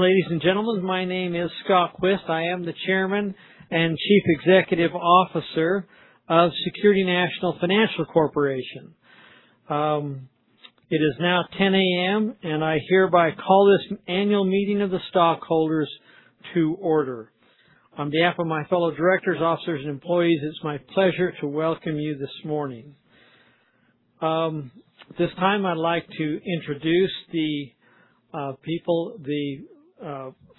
Ladies and gentlemen, my name is Scott Quist. I am the Chairman and Chief Executive Officer of Security National Financial Corporation. It is now 10:00 A.M., I hereby call this annual meeting of the stockholders to order. On behalf of my fellow directors, officers, and employees, it's my pleasure to welcome you this morning. This time, I'd like to introduce the people, the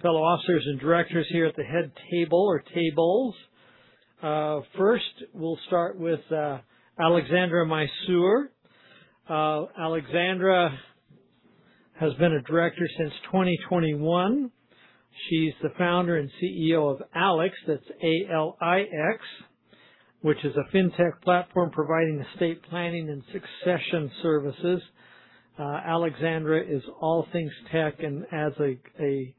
fellow officers and directors here at the head table or tables. First, we'll start with Alexandra Mysoor. Alexandra has been a director since 2021. She's the founder and CEO of Alix, that's A-L-I-X, which is a fintech platform providing estate planning and succession services. Alexandra is all things tech and adds a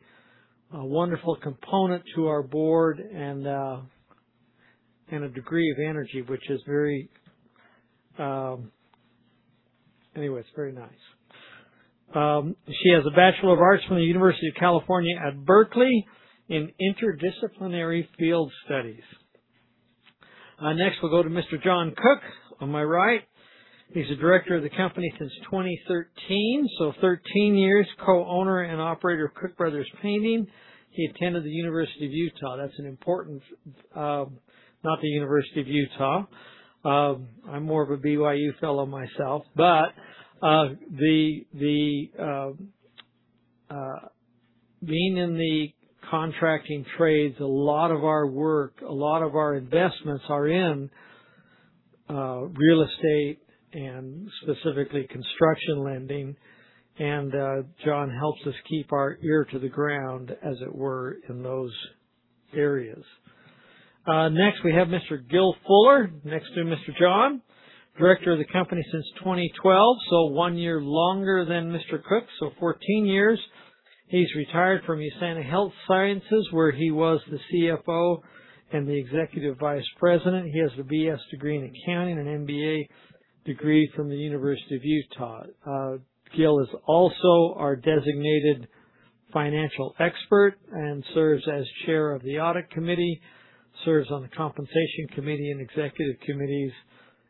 wonderful component to our board and a degree of energy, which is anyways, very nice. She has a Bachelor of Arts from the University of California, Berkeley in interdisciplinary field studies. Next, we'll go to Mr. John Cook on my right. He's a director of the company since 2013, so 13 years, co-owner and operator of Cook Brothers Painting. He attended the University of Utah. That's an important. Not the University of Utah. I'm more of a BYU fellow myself, but being in the contracting trades, a lot of our work, a lot of our investments are in real estate and specifically construction lending, and John helps us keep our ear to the ground, as it were, in those areas. Next, we have Mr. Gil Fuller, next to Mr. John, director of the company since 2012, so one year longer than Mr. Cook, so 14 years. He's retired from USANA Health Sciences, where he was the CFO and the executive vice president. He has a BS degree in accounting and MBA degree from the University of Utah. Gil is also our designated financial expert and serves as chair of the Audit Committee, serves on the Compensation Committee and Executive Committees,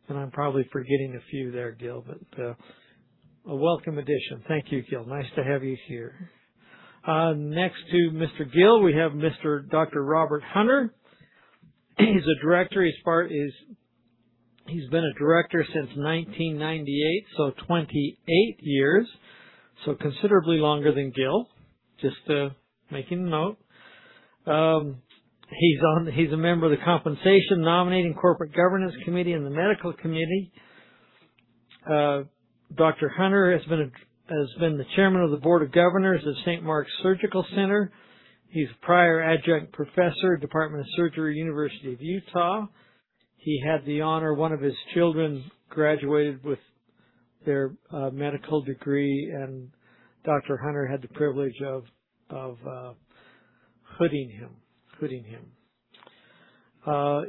I'm probably forgetting a few there, Gil, but a welcome addition. Thank you, Gil. Nice to have you here. Next to Mr. Gil, we have Dr. Robert Hunter. He's a director. He's been a director since 1998, so 28 years, so considerably longer than Gil, just to make a note. He's a member of the Compensation Nominating Corporate Governance Committee and the Medical Committee. Dr. Hunter has been the Chairman of the Board of Governors at St. Mark's Surgical Center. He's prior adjunct professor, Department of Surgery, University of Utah. He had the honor, one of his children graduated with their medical degree, and Dr. Hunter had the privilege of hooding him.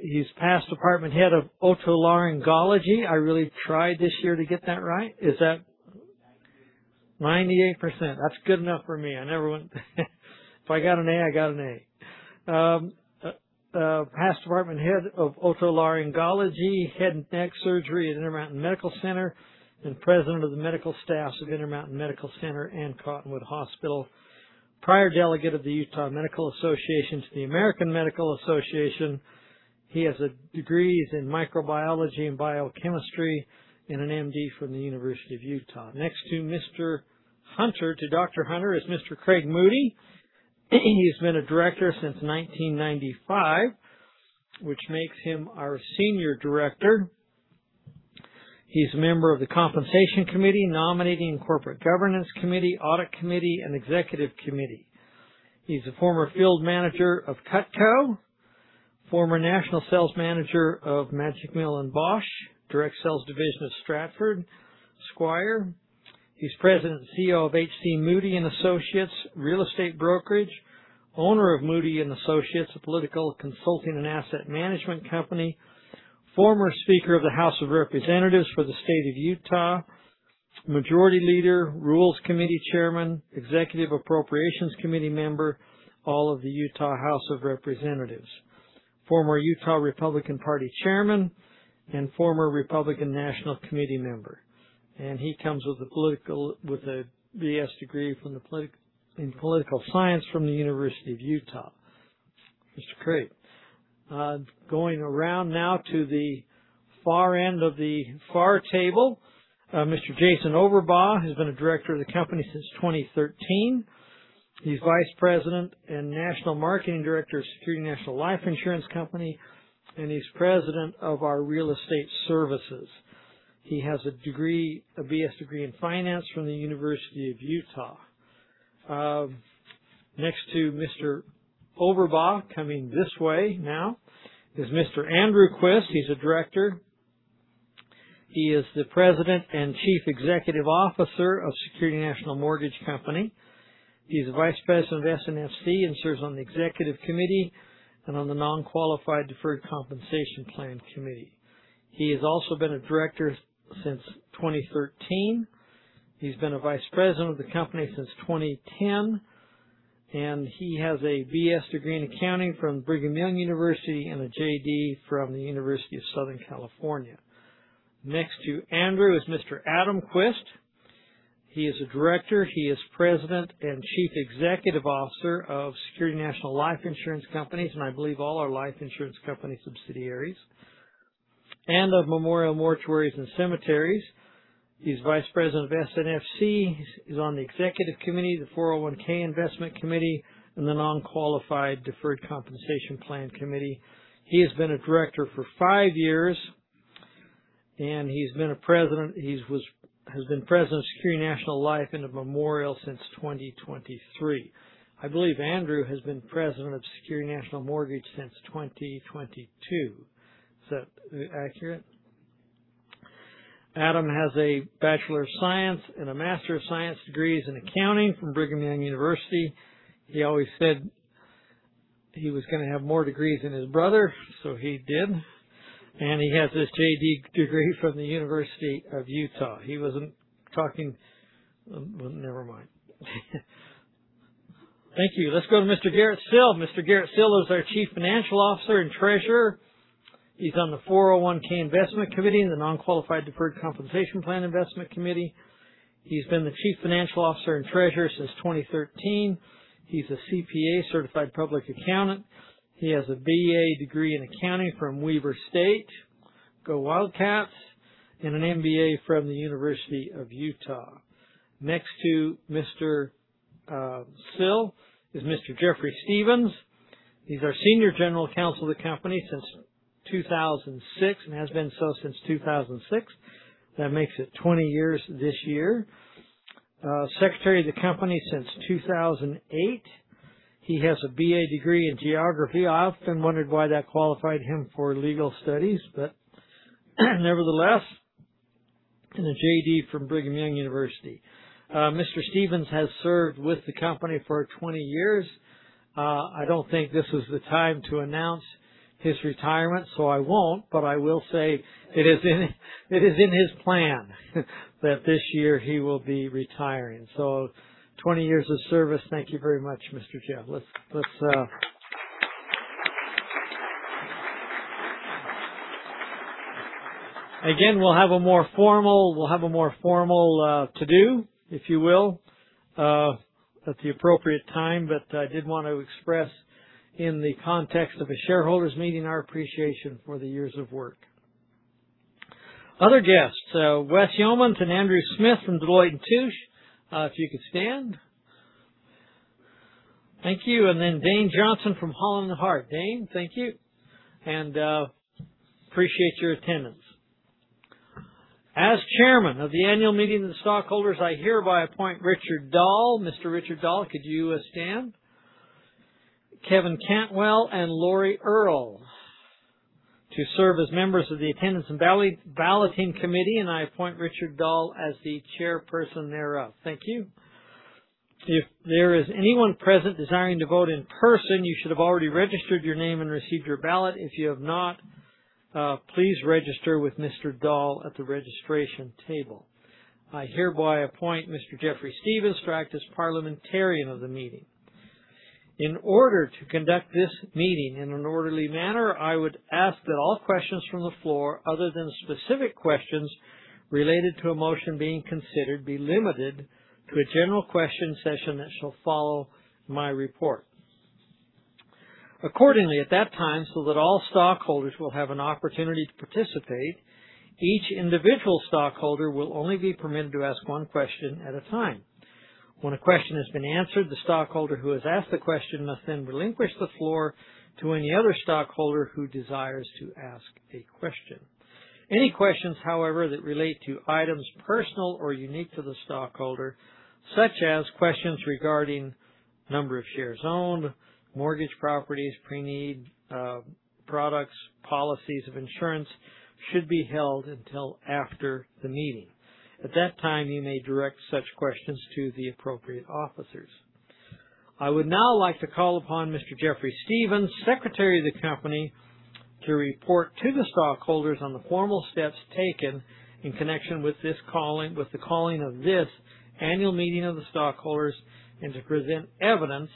He's past department head of otolaryngology. I really tried this year to get that right. Is that 98%. 98%. That's good enough for me. If I got an A, I got an A. Past department head of otolaryngology, head and neck surgery at Intermountain Medical Center, and President of the Medical Staffs of Intermountain Medical Center and Cottonwood Hospital. Prior delegate of the Utah Medical Association to the American Medical Association. He has degrees in microbiology and biochemistry and an MD from the University of Utah. Next to Dr. Hunter is Mr. Craig Moody. He's been a director since 1995, which makes him our senior director. He's a member of the Compensation Committee, Nominating Corporate Governance Committee, Audit Committee, and Executive Committee. He's a former field manager of Cutco, former national sales manager of Magic Mill and Bosch, direct sales division of Stratford Squire. He's President and CEO of H.C. Moody and Associates Real Estate Brokerage, owner of Moody and Associates, a political consulting and asset management company, former speaker of the Utah House of Representatives, Majority Leader, Rules Committee Chairman, Executive Appropriations Committee Member, all of the Utah House of Representatives, former Utah Republican Party Chairman, and former Republican National Committee Member. He comes with a BS degree in political science from the University of Utah. Mr. Craig. Going around now to the far end of the far table, Mr. Jason Overbaugh, who has been a director of the company since 2013. He is Vice President and National Marketing Director of Security National Life Insurance Company, and he is President of our real estate services. He has a BS degree in finance from the University of Utah. Next to Mr. Overbaugh, coming this way now, is Mr. Andrew Quist. He is a director. He is the President and Chief Executive Officer of Security National Mortgage Company. He is the Vice President of SNFC and serves on the Executive Committee and on the Non-Qualified Deferred Compensation Plan Committee. He has also been a director since 2013. He has been a Vice President of the company since 2010, and he has a BS degree in accounting from Brigham Young University and a JD from the University of Southern California. Next to Andrew is Mr. Adam Quist. He is a director. He is President and Chief Executive Officer of Security National Life Insurance Companies, and I believe all our life insurance company subsidiaries, and of Memorial Mortuaries and Cemeteries. He is Vice President of SNFC. He is on the Executive Committee, the 401 Investment Committee, and the Non-Qualified Deferred Compensation Plan Committee. He has been a director for 5 years. He has been President of Security National Life and of Memorial since 2023. I believe Andrew has been President of Security National Mortgage since 2022. Is that accurate? Adam has a Bachelor of Science and a Master of Science degrees in accounting from Brigham Young University. He always said he was going to have more degrees than his brother, so he did. He has his JD degree from the University of Utah. He wasn't talking Well, never mind. Thank you. Let's go to Mr. Garrett Sill. Mr. Garrett Sill is our Chief Financial Officer and Treasurer. He is on the 401 Investment Committee and the Non-Qualified Deferred Compensation Plan Investment Committee. He has been the Chief Financial Officer and Treasurer since 2013. He is a CPA, certified public accountant. He has a BA degree in accounting from Weber State, go Wildcats, and an MBA from the University of Utah. Next to Mr. Sill is Mr. Jeffrey Stephens. He is our Senior General Counsel of the company since 2006 and has been so since 2006. That makes it 20 years this year. Secretary of the company since 2008. He has a BA degree in geography. I often wondered why that qualified him for legal studies, but nevertheless, and a JD from Brigham Young University. Mr. Stephens has served with the company for 20 years. I do not think this is the time to announce his retirement, so I will not, but I will say it is in his plan that this year he will be retiring. So 20 years of service. Thank you very much, Mr. Jeff. Let's again, we will have a more formal to-do, if you will, at the appropriate time. I did want to express, in the context of a shareholders meeting, our appreciation for the years of work. Other guests, Wes Yeomans and Andrew Smith from Deloitte & Touche, if you could stand. Thank you. Dane Johansen from Holland & Hart. Dane, thank you, appreciate your attendance. As chairman of the annual meeting of the stockholders, I hereby appoint Richard Dahl. Mr. Richard Dahl, could you stand? Kevin Cantwell and Laurie Earl to serve as members of the attendance and balloting committee, I appoint Richard Dahl as the chairperson thereof. Thank you. If there is anyone present desiring to vote in person, you should have already registered your name and received your ballot. If you have not, please register with Mr. Dahl at the registration table. I hereby appoint Mr. Jeffrey Stephens to act as parliamentarian of the meeting. In order to conduct this meeting in an orderly manner, I would ask that all questions from the floor, other than specific questions related to a motion being considered, be limited to a general question session that shall follow my report. Accordingly, at that time, so that all stockholders will have an opportunity to participate, each individual stockholder will only be permitted to ask one question at a time. When a question has been answered, the stockholder who has asked the question must then relinquish the floor to any other stockholder who desires to ask a question. Any questions, however, that relate to items personal or unique to the stockholder, such as questions regarding number of shares owned, mortgage properties, pre-need products, policies of insurance, should be held until after the meeting. At that time, you may direct such questions to the appropriate officers. I would now like to call upon Mr. Jeffrey Stephens, Secretary of the company, to report to the stockholders on the formal steps taken in connection with the calling of this annual meeting of the stockholders and to present evidence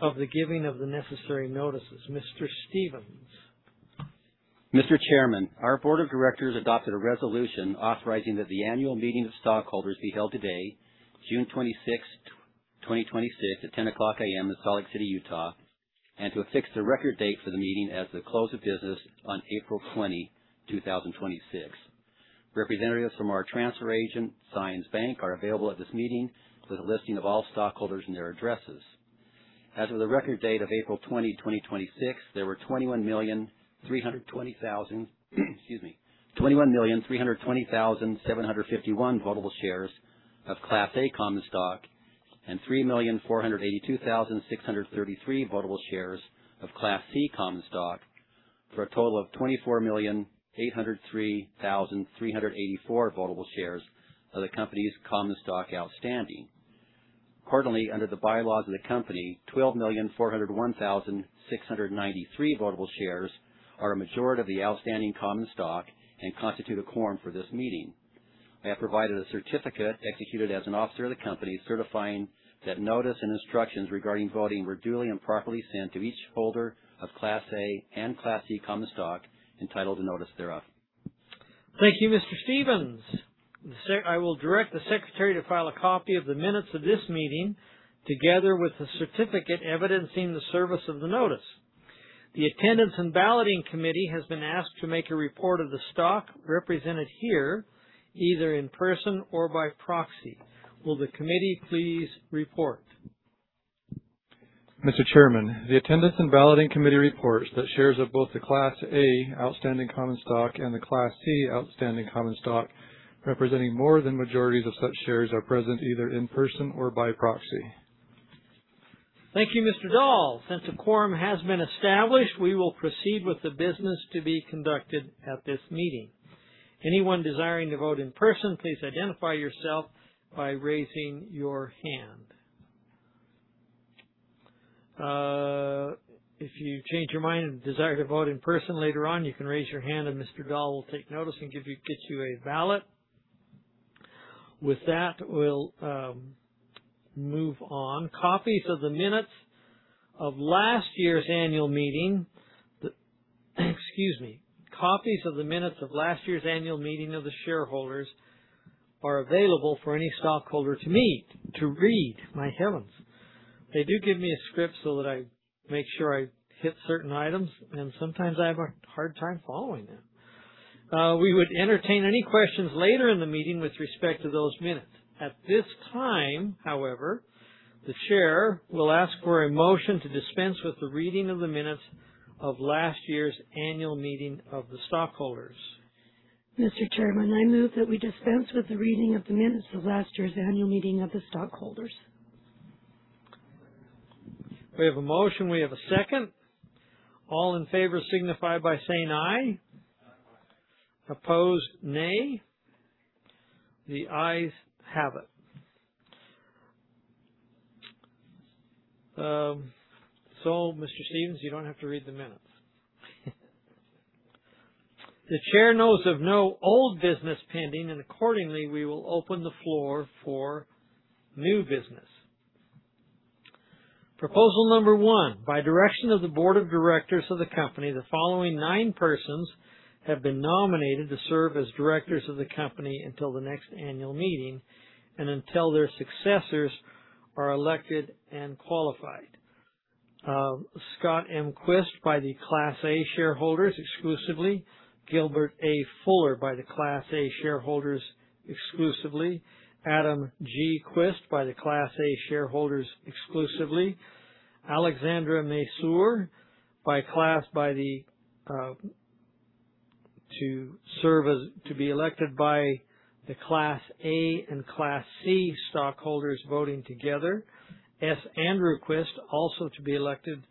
of the giving of the necessary notices. Mr. Stephens. Mr. Chairman, our board of directors adopted a resolution authorizing that the annual meeting of stockholders be held today, June 26, 2026, at 10:00 A.M. in Salt Lake City, Utah, and to affix the record date for the meeting as of the close of business on April 20, 2026. Representatives from our transfer agent, Zions Bank, are available at this meeting with a listing of all stockholders and their addresses. As of the record date of April 20, 2026, there were 21,320,751 votable shares of Class A common stock and 3,482,633 votable shares of Class C common stock, for a total of 24,803,384 votable shares of the company's common stock outstanding. Accordingly, under the bylaws of the company, 12,401,693 votable shares are a majority of the outstanding common stock and constitute a quorum for this meeting. I have provided a certificate executed as an officer of the company certifying that notice and instructions regarding voting were duly and properly sent to each holder of Class A and Class C common stock entitled to notice thereof. Thank you, Mr. Stephens. I will direct the Secretary to file a copy of the minutes of this meeting, together with the certificate evidencing the service of the notice. The Attendance and Balloting Committee has been asked to make a report of the stock represented here, either in person or by proxy. Will the committee please report? Mr. Chairman, the Attendance and Balloting Committee reports that shares of both the Class A outstanding common stock and the Class C outstanding common stock, representing more than majorities of such shares, are present either in person or by proxy. Thank you, Mr. Dahl. Since a quorum has been established, we will proceed with the business to be conducted at this meeting. Anyone desiring to vote in person, please identify yourself by raising your hand. If you change your mind and desire to vote in person later on, you can raise your hand and Mr. Dahl will take notice and get you a ballot. With that, we'll move on. Copies of the minutes of last year's annual meeting of the shareholders are available for any stockholder to read. My heavens. They do give me a script so that I make sure I hit certain items, and sometimes I have a hard time following that. We would entertain any questions later in the meeting with respect to those minutes. At this time, the chair will ask for a motion to dispense with the reading of the minutes of last year's annual meeting of the stockholders. Mr. Chairman, I move that we dispense with the reading of the minutes of last year's annual meeting of the stockholders. We have a motion. We have a second. All in favor signify by saying "Aye. Aye. Opposed, nay. The ayes have it. Mr. Stephens, you don't have to read the minutes. The chair knows of no old business pending, and accordingly, we will open the floor for new business. Proposal number one, by direction of the board of directors of the company, the following nine persons have been nominated to serve as directors of the company until the next annual meeting and until their successors are elected and qualified. Scott M. Quist by the Class A shareholders exclusively, Gilbert A. Fuller by the Class A shareholders exclusively, Adam G. Quist by the Class A shareholders exclusively, Alexandra Mysoor to be elected by the Class A and Class C stockholders voting together, S. Andrew Quist also to be elected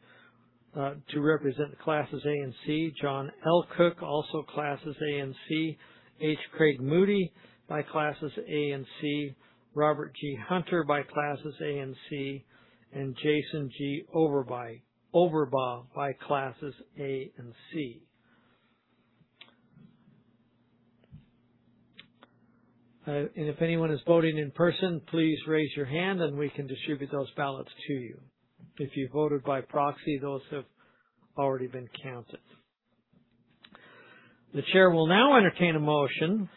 to represent Classes A and C, John L. Cook also Classes A and C, H. Craig Moody by Classes A and C, Robert G. Hunter by Class A and Class C, Jason G. Overbaugh by Class A and Class C. If anyone is voting in person, please raise your hand and we can distribute those ballots to you. If you voted by proxy, those have already been counted. The chair will now entertain a motion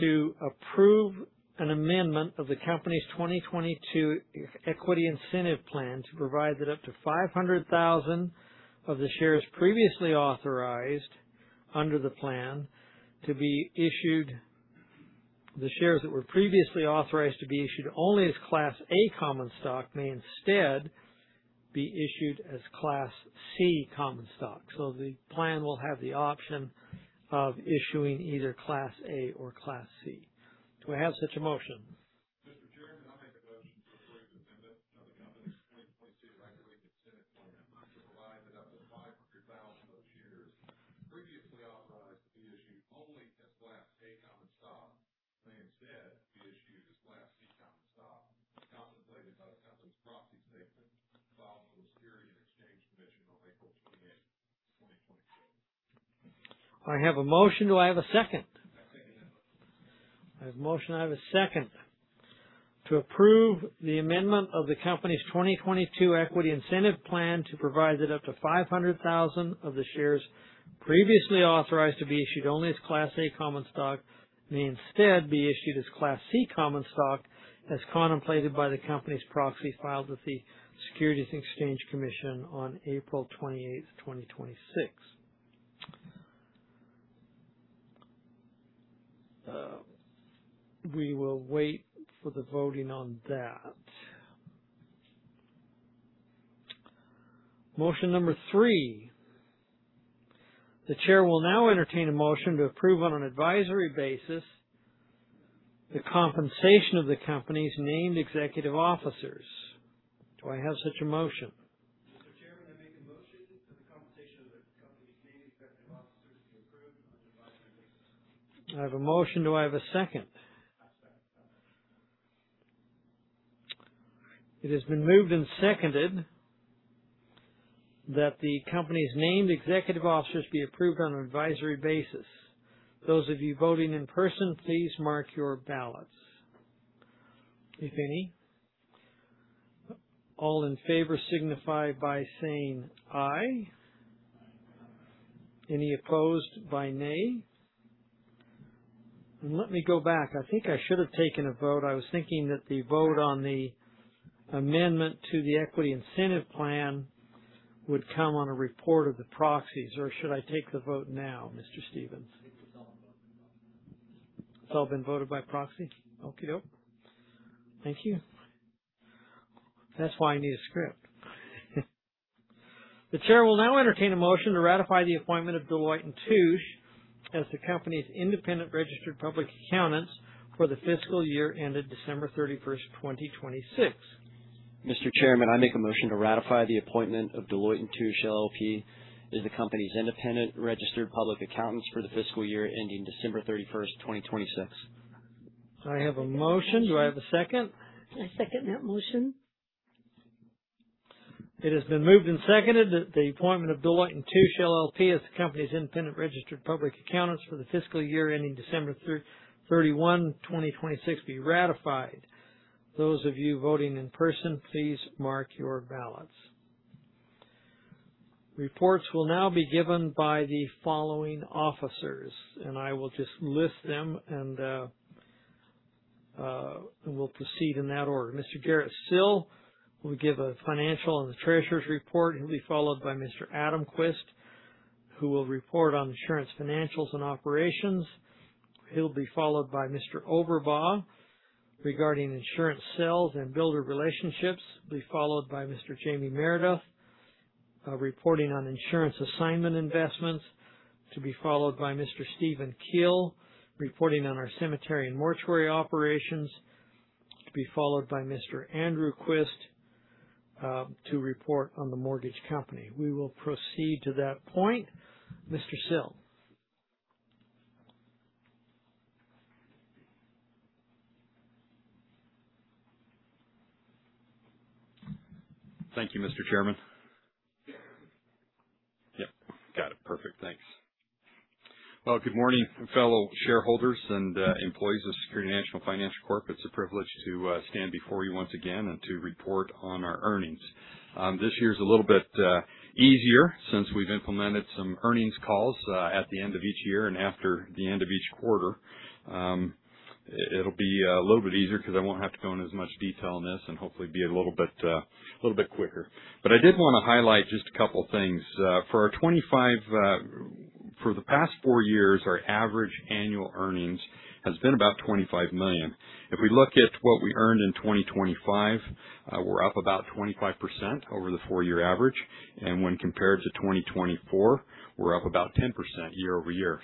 to approve an amendment of the company's 2022 Equity Incentive Plan to provide that up to 500,000 of the shares previously authorized under the plan to be issued only as Class A common stock may instead be issued as Class C common stock. The plan will have the option of issuing either Class A or Class C. Do I have such a motion? Mr. Chairman, I make a motion to approve an amendment of the company's 2022 Equity Incentive Plan to provide that up to 500,000 of the shares previously authorized to be issued only as Class A common stock may instead be issued as Class C common stock, as contemplated by the company's proxy statement filed with the Securities and Exchange Commission on April 28th, 2026. I have a motion. Do I have a second? Second. I have a motion. I have a second to approve the amendment of the company's 2022 Equity Incentive Plan to provide that up to 500,000 of the shares previously authorized to be issued only as Class A common stock may instead be issued as Class C common stock, as contemplated by the company's proxy filed with the Securities and Exchange Commission on April 28th, 2026. We will wait for the voting on that. Motion number three. The chair will now entertain a motion to approve, on an advisory basis, the compensation of the company's named executive officers. Do I have such a motion? I have a motion. Do I have a second? I second. It has been moved and seconded that the company's named executive officers be approved on an advisory basis. Those of you voting in person, please mark your ballots, if any. All in favor signify by saying aye. Any opposed by nay. Let me go back. I think I should have taken a vote. I was thinking that the vote on the amendment to the Equity Incentive Plan would come on a report of the proxies. Or should I take the vote now, Mr. Stephens? I think it's all been voted by proxy. It's all been voted by proxy. Okey-doke. Thank you. That's why I need a script. The chair will now entertain a motion to ratify the appointment of Deloitte & Touche as the company's independent registered public accountants for the fiscal year ended December 31st, 2026. Mr. Chairman, I make a motion to ratify the appointment of Deloitte & Touche LLP as the company's independent registered public accountants for the fiscal year ending December 31st, 2026. I have a motion. Do I have a second? I second that motion. It has been moved and seconded that the appointment of Deloitte & Touche LLP as the company's independent registered public accountants for the fiscal year ending December 31, 2026, be ratified. Those of you voting in person, please mark your ballots. Reports will now be given by the following officers, and I will just list them and we'll proceed in that order. Mr. Garrett Sill will give a financial and the treasurer's report. He'll be followed by Mr. Adam Quist, who will report on insurance financials and operations. He'll be followed by Mr. Overbaugh regarding insurance sales and builder relationships. He'll be followed by Mr. Jamie Meredith, reporting on insurance assignment investments. He'll be followed by Mr. Steve Kiel, reporting on our cemetery and mortuary operations. He'll be followed by Mr. Andrew Quist, to report on the mortgage company. We will proceed to that point. Mr. Sill. Thank you, Mr. Chairman. Yeah, got it. Perfect. Thanks. Good morning, fellow shareholders and employees of Security National Financial Corp. It's a privilege to stand before you once again and to report on our earnings. This year's a little bit easier since we've implemented some earnings calls at the end of each year and after the end of each quarter. It'll be a little bit easier because I won't have to go in as much detail on this and hopefully be a little bit quicker. I did want to highlight just a couple things. For the past four years, our average annual earnings has been about $25 million. If we look at what we earned in 2025, we're up about 25% over the four-year average. When compared to 2024, we're up about 10% year-over-year.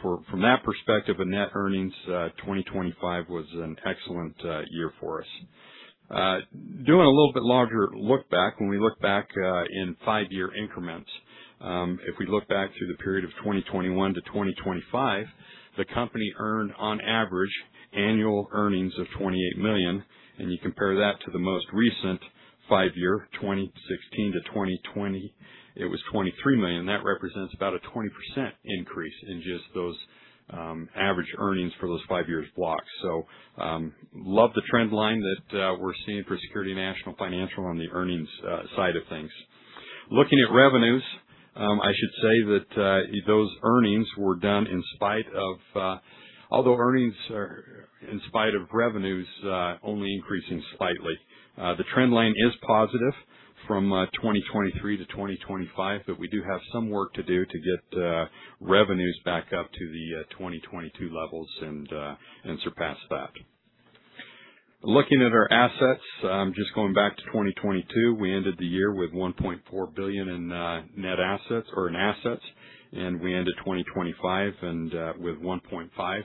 From that perspective, in net earnings, 2025 was an excellent year for us. Doing a little bit larger look back, when we look back in five-year increments, if we look back through the period of 2021 to 2025, the company earned on average annual earnings of $28 million. You compare that to the most recent five-year, 2016 to 2020, it was $23 million. That represents about a 20% increase in just those average earnings for those five years blocked. Love the trend line that we're seeing for Security National Financial on the earnings side of things. Looking at revenues, I should say that those earnings were done in spite of revenues only increasing slightly. The trend line is positive from 2023 to 2025, we do have some work to do to get revenues back up to the 2022 levels and surpass that. Looking at our assets, just going back to 2022, we ended the year with $1.4 billion in net assets or in assets, and we ended 2025 and with $1.5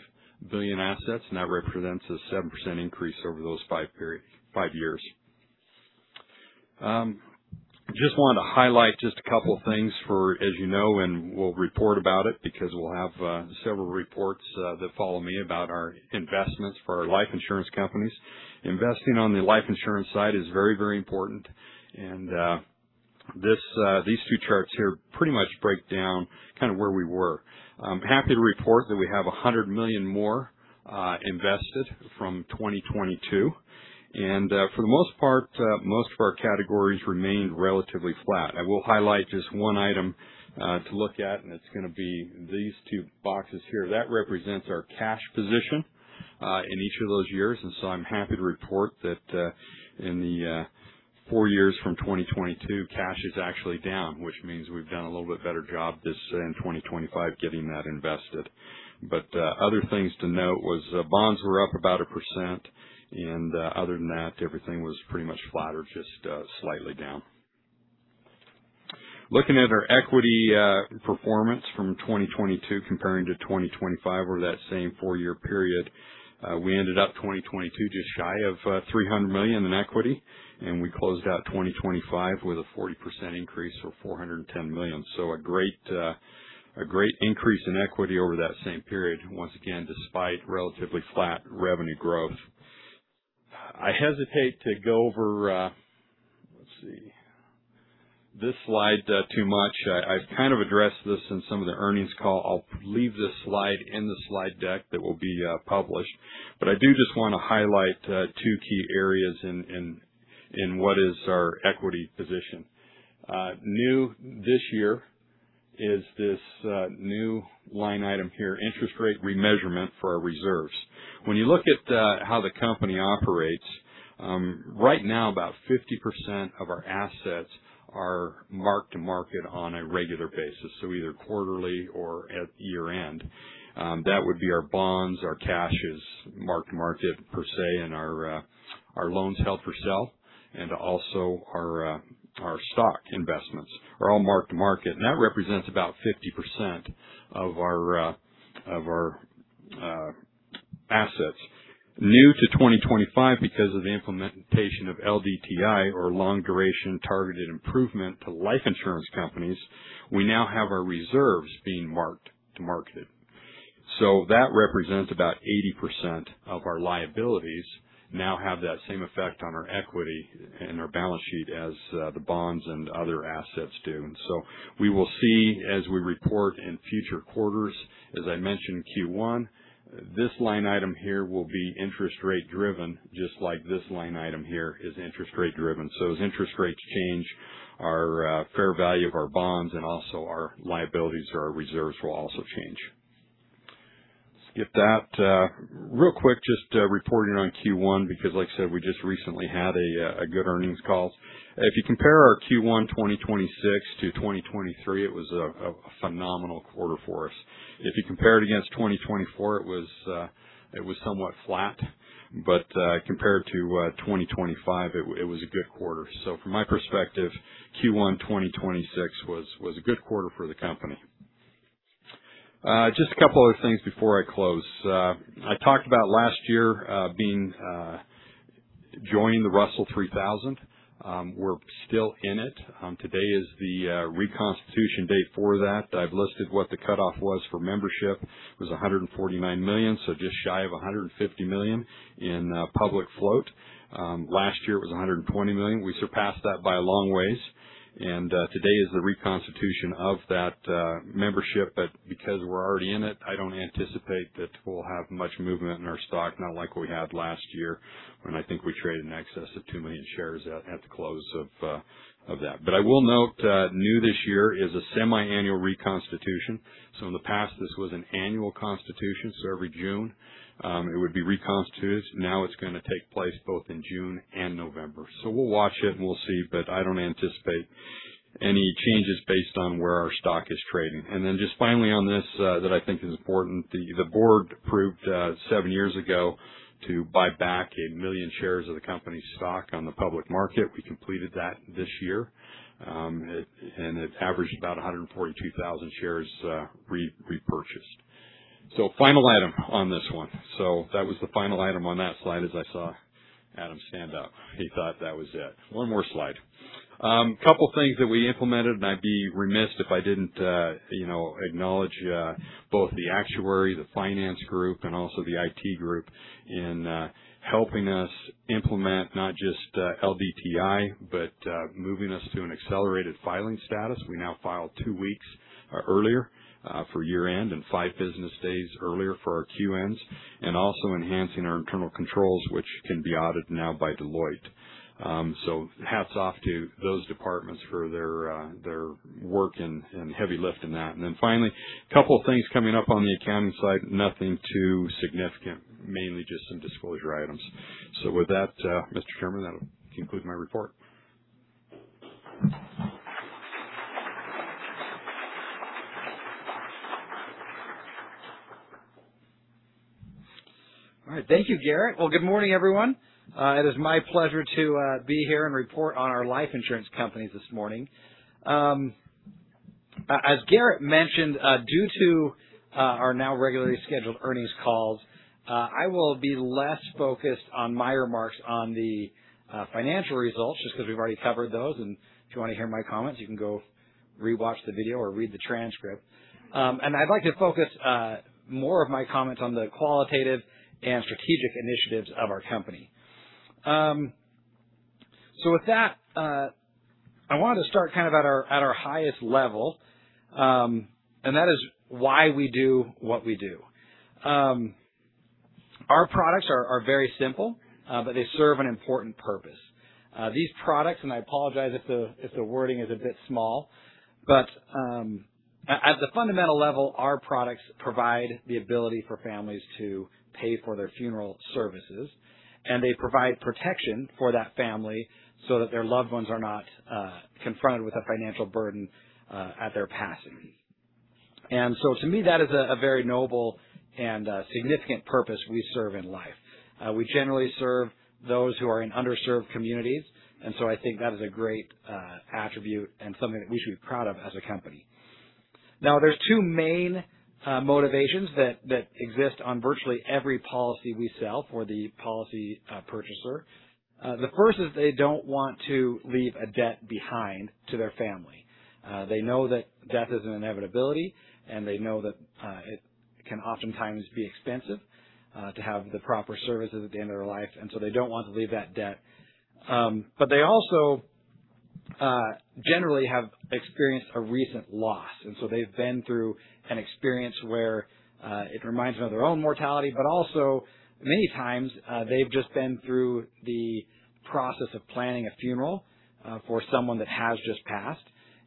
billion assets, and that represents a 7% increase over those five years. Just wanted to highlight just a couple things, as you know, and we'll report about it because we'll have several reports that follow me about our investments for our life insurance companies. Investing on the life insurance side is very important. These two charts here pretty much break down kind of where we were. I'm happy to report that we have $100 million more invested from 2022. For the most part, most of our categories remained relatively flat. I will highlight just one item to look at, and it's going to be these two boxes here. That represents our cash position in each of those years. I'm happy to report that in the four years from 2022, cash is actually down, which means we've done a little bit better job this in 2025 getting that invested. Other things to note was bonds were up about 1%, and other than that, everything was pretty much flat or just slightly down. Looking at our equity performance from 2022 comparing to 2025 over that same four-year period, we ended up 2022 just shy of $300 million in equity, and we closed out 2025 with a 40% increase or $410 million. A great increase in equity over that same period, once again, despite relatively flat revenue growth. I hesitate to go over this slide too much. I've kind of addressed this in some of the earnings call. I'll leave this slide in the slide deck that will be published. I do just want to highlight two key areas in what is our equity position. New this year is this new line item here, interest rate remeasurement for our reserves. When you look at how the company operates, right now, about 50% of our assets are marked to market on a regular basis, so either quarterly or at year-end. That would be our bonds, our cash is mark-to-market per se, and our loans held for sale, and also our stock investments are all mark-to-market. That represents about 50% of our assets. New to 2025, because of the implementation of LDTI, or long duration targeted improvement to life insurance companies, we now have our reserves being marked to market. That represents about 80% of our liabilities now have that same effect on our equity and our balance sheet as the bonds and other assets do. We will see as we report in future quarters, as I mentioned, Q1, this line item here will be interest rate driven, just like this line item here is interest rate driven. As interest rates change, our fair value of our bonds and also our liabilities or our reserves will also change. Skip that. Real quick, just reporting on Q1, because like I said, we just recently had a good earnings call. If you compare our Q1 2026 to 2023, it was a phenomenal quarter for us. If you compare it against 2024, it was somewhat flat, but compared to 2025, it was a good quarter. From my perspective, Q1 2026 was a good quarter for the company. Just a couple other things before I close. I talked about last year joining the Russell 3000. We're still in it. Today is the reconstitution date for that. I've listed what the cutoff was for membership. It was $149 million, so just shy of $150 million in public float. Last year it was $120 million. We surpassed that by a long way. Today is the reconstitution of that membership. Because we're already in it, I don't anticipate that we'll have much movement in our stock, not like we had last year when I think we traded in excess of 2 million shares at the close of that. I will note, new this year is a semiannual reconstitution. In the past, this was an annual constitution, every June it would be reconstituted. Now it's going to take place both in June and November. We'll watch it and we'll see, but I don't anticipate any changes based on where our stock is trading. Just finally on this that I think is important, the board approved 7 years ago to buy back 1 million shares of the company's stock on the public market. We completed that this year, and it averaged about 142,000 shares repurchased. Final item on this one. That was the final item on that slide, as I saw Adam stand up. He thought that was it. One more slide. Couple things that we implemented, and I'd be remiss if I didn't acknowledge both the actuary, the finance group, and also the IT group in helping us implement not just LDTI, but moving us to an accelerated filing status. We now file two weeks earlier for year-end and five business days earlier for our Q ends, and also enhancing our internal controls, which can be audited now by Deloitte. Hats off to those departments for their work and heavy lift in that. Finally, a couple of things coming up on the accounting side, nothing too significant, mainly just some disclosure items. With that, Mr. Chairman, that'll conclude my report. All right. Thank you, Garrett. Good morning, everyone. It is my pleasure to be here and report on our life insurance companies this morning. As Garrett mentioned, due to our now regularly scheduled earnings calls, I will be less focused on my remarks on the financial results, just because we've already covered those. If you want to hear my comments, you can go re-watch the video or read the transcript. I'd like to focus more of my comments on the qualitative and strategic initiatives of our company. With that, Mr. Chairman, that'll conclude my report. These products, I apologize if the wording is a bit small, at the fundamental level, our products provide the ability for families to pay for their funeral services, and they provide protection for that family so that their loved ones are not confronted with a financial burden at their passing. To me, that is a very noble and significant purpose we serve in life. We generally serve those who are in underserved communities, I think that is a great attribute and something that we should be proud of as a company. There's two main motivations that exist on virtually every policy we sell for the policy purchaser. The first is they don't want to leave a debt behind to their family. They know that death is an inevitability, they know that it can oftentimes be expensive to have the proper services at the end of their life, they don't want to leave that debt. They also generally have experienced a recent loss, they've been through an experience where it reminds them of their own mortality, but also many times, they've just been through the process of planning a funeral for someone that has just passed,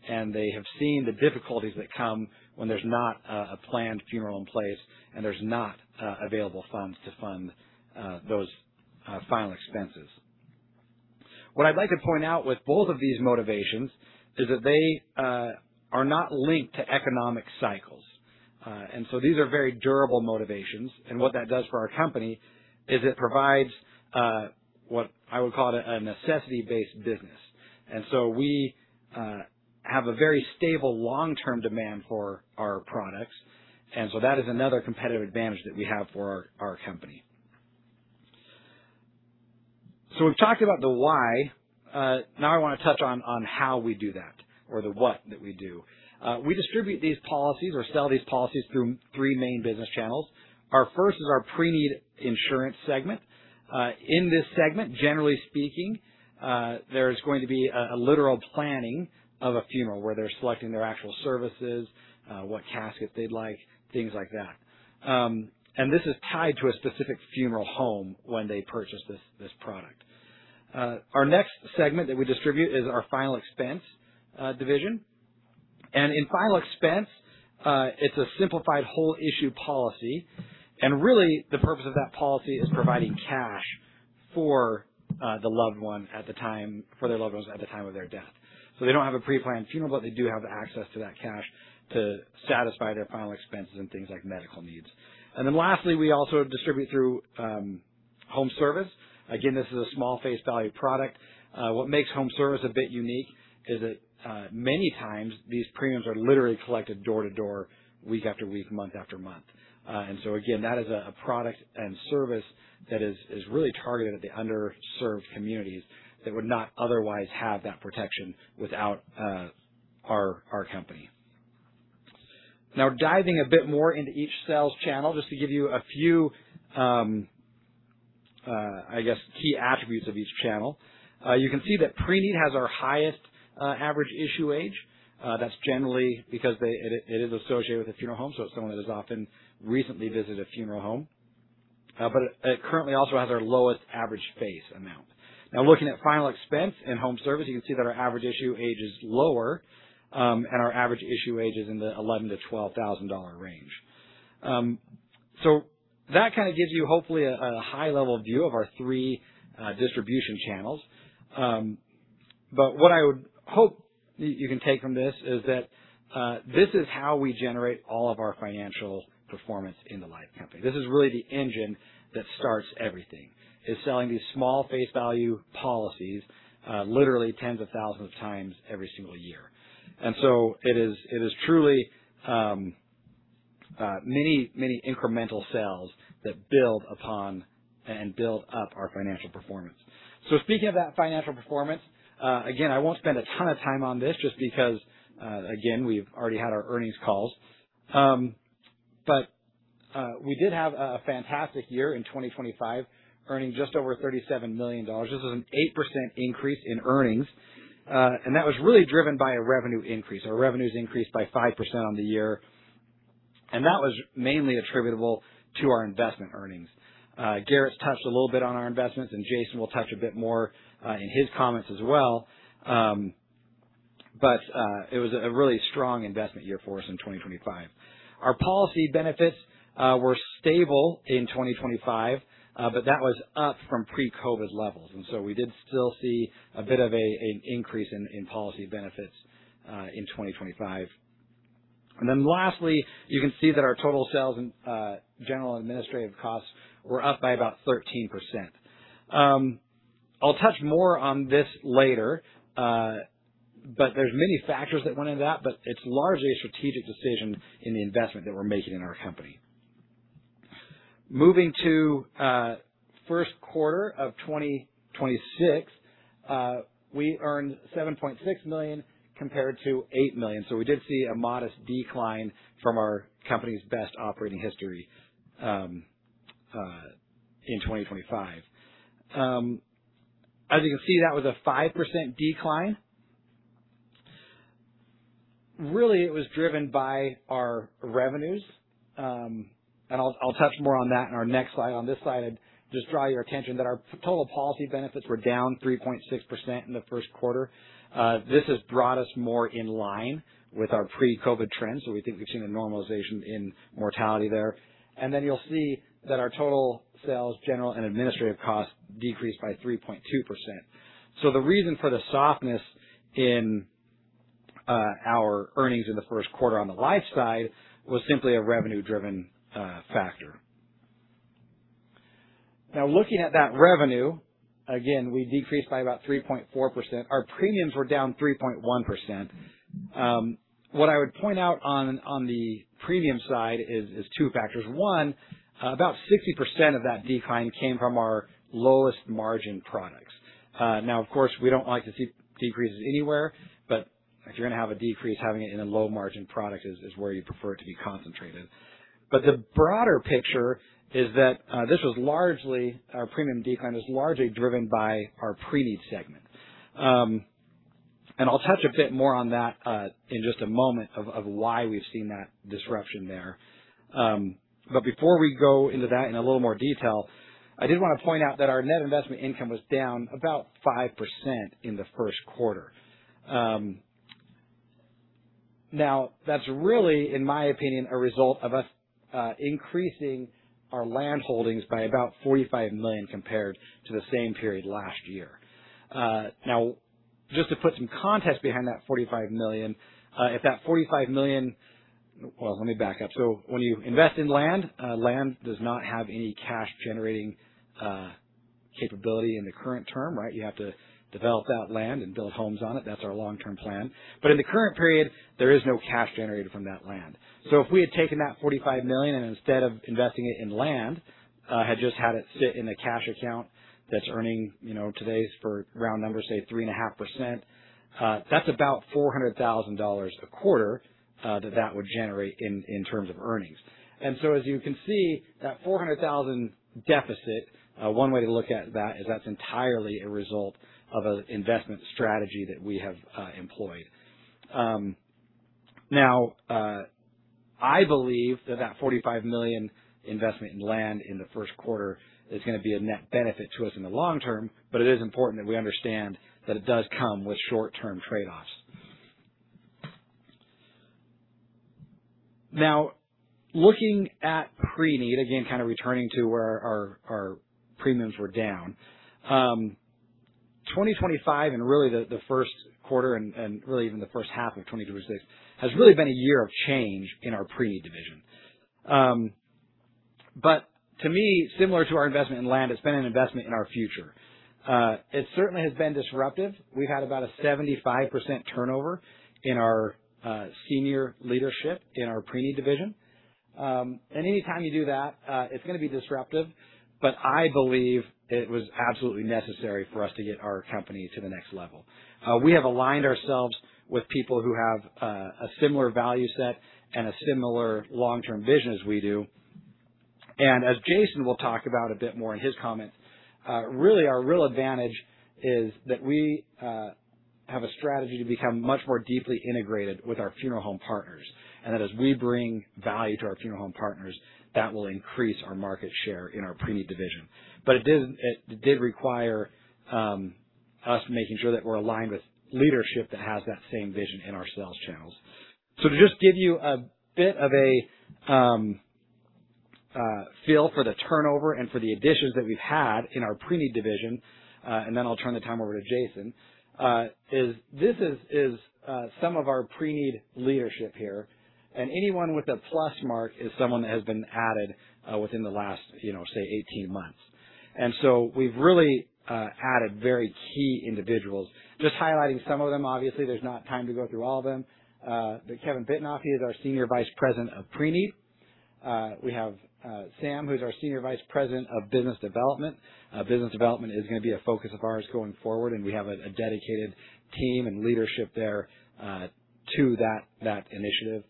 they have seen the difficulties that come when there's not a planned funeral in place, there's not available funds to fund those final expenses. What I'd like to point out with both of these motivations is that they are not linked to economic cycles. These are very durable motivations. What that does for our company is it provides what I would call a necessity-based business. We have a very stable long-term demand for our products, that is another competitive advantage that we have for our company. We've talked about the why. Now I want to touch on how we do that or the what that we do. We distribute these policies or sell these policies through 3 main business channels. Our 1st is our pre-need insurance segment. In this segment, generally speaking, there's going to be a literal planning of a funeral where they're selecting their actual services, what casket they'd like, things like that. This is tied to a specific funeral home when they purchase this product. Our next segment that we distribute is our final expense division. In final expense, it's a simplified whole issue policy. Really the purpose of that policy is providing cash for their loved ones at the time of their death. They don't have a pre-planned funeral, but they do have access to that cash to satisfy their final expenses and things like medical needs. Lastly, we also distribute through home service. Again, this is a small face value product. What makes home service a bit unique is that many times these premiums are literally collected door to door, week after week, month after month. Again, that is a product and service that is really targeted at the underserved communities that would not otherwise have that protection without our company. Diving a bit more into each sales channel, just to give you a few key attributes of each channel. You can see that pre-need has our highest average issue age. That's generally because it is associated with a funeral home, so it's someone that has often recently visited a funeral home. It currently also has our lowest average face amount. Looking at final expense and home service, you can see that our average issue age is lower, and our average issue age is in the $11,000-$12,000 range. That kind of gives you hopefully a high-level view of our 3 distribution channels. What I would hope you can take from this is that this is how we generate all of our financial performance in the life company. This is really the engine that starts everything. It's selling these small face value policies literally tens of thousands of times every single year. It is truly many incremental sales that build upon and build up our financial performance. Speaking of that financial performance, again, I won't spend a ton of time on this just because, again, we've already had our earnings calls. We did have a fantastic year in 2025, earning just over $37 million. This is an 8% increase in earnings, that was really driven by a revenue increase. Our revenues increased by 5% on the year, that was mainly attributable to our investment earnings. Garrett's touched a little bit on our investments, Jason will touch a bit more in his comments as well. It was a really strong investment year for us in 2025. Our policy benefits were stable in 2025, that was up from pre-COVID levels, we did still see a bit of an increase in policy benefits in 2025. Lastly, you can see that our total sales and general administrative costs were up by about 13%. I'll touch more on this later, there's many factors that went into that, it's largely a strategic decision in the investment that we're making in our company. Moving to first quarter of 2026, we earned $7.6 million compared to $8 million. We did see a modest decline from our company's best operating history in 2025. As you can see, that was a 5% decline. Really, it was driven by our revenues, I'll touch more on that in our next slide. On this slide, I'd just draw your attention that our total policy benefits were down 3.6% in the first quarter. This has brought us more in line with our pre-COVID trends, we think we've seen a normalization in mortality there. You'll see that our total sales, general, and administrative costs decreased by 3.2%. The reason for the softness in our earnings in the first quarter on the life side was simply a revenue-driven factor. Now, looking at that revenue, again, we decreased by about 3.4%. Our premiums were down 3.1%. What I would point out on the premium side is two factors. One, about 60% of that decline came from our lowest margin products. Now, of course, we don't like to see decreases anywhere, if you're going to have a decrease, having it in a low margin product is where you prefer it to be concentrated. The broader picture is that our premium decline is largely driven by our pre-need segment. I'll touch a bit more on that in just a moment, of why we've seen that disruption there. Before we go into that in a little more detail, I did want to point out that our net investment income was down about 5% in the first quarter. Now, that's really, in my opinion, a result of us increasing our land holdings by about $45 million compared to the same period last year. Now, just to put some context behind that $45 million. Let me back up. When you invest in land does not have any cash-generating capability in the current term, right? You have to develop that land and build homes on it. That's our long-term plan. In the current period, there is no cash generated from that land. If we had taken that $45 million, and instead of investing it in land had just had it sit in a cash account that's earning, today for round numbers, say 3.5%, that's about $400,000 a quarter that that would generate in terms of earnings. As you can see, that $400,000 deficit, one way to look at that is that's entirely a result of an investment strategy that we have employed. I believe that $45 million investment in land in the first quarter is going to be a net benefit to us in the long term, but it is important that we understand that it does come with short-term trade-offs. Looking at Preneed, again, returning to where our premiums were down. 2025 and really the first quarter and really even the first half of 2026 has really been a year of change in our Preneed division. To me, similar to our investment in land, it's been an investment in our future. It certainly has been disruptive. We've had about a 75% turnover in our senior leadership in our Preneed division. Any time you do that, it's going to be disruptive, but I believe it was absolutely necessary for us to get our company to the next level. We have aligned ourselves with people who have a similar value set and a similar long-term vision as we do, and as Jason will talk about a bit more in his comments, really, our real advantage is that we have a strategy to become much more deeply integrated with our funeral home partners, and that as we bring value to our funeral home partners, that will increase our market share in our Preneed division. It did require us making sure that we're aligned with leadership that has that same vision in our sales channels. To just give you a bit of a feel for the turnover and for the additions that we've had in our Preneed division, then I'll turn the time over to Jason, this is some of our Preneed leadership here, and anyone with a plus mark is someone that has been added within the last, say, 18 months. We've really added very key individuals. Just highlighting some of them. Obviously, there's not time to go through all of them. Kevin Bitnoff, he is our Senior Vice President of Preneed. We have Sam, who's our Senior Vice President of Business Development. Business development is going to be a focus of ours going forward, and we have a dedicated team and leadership there to that initiative.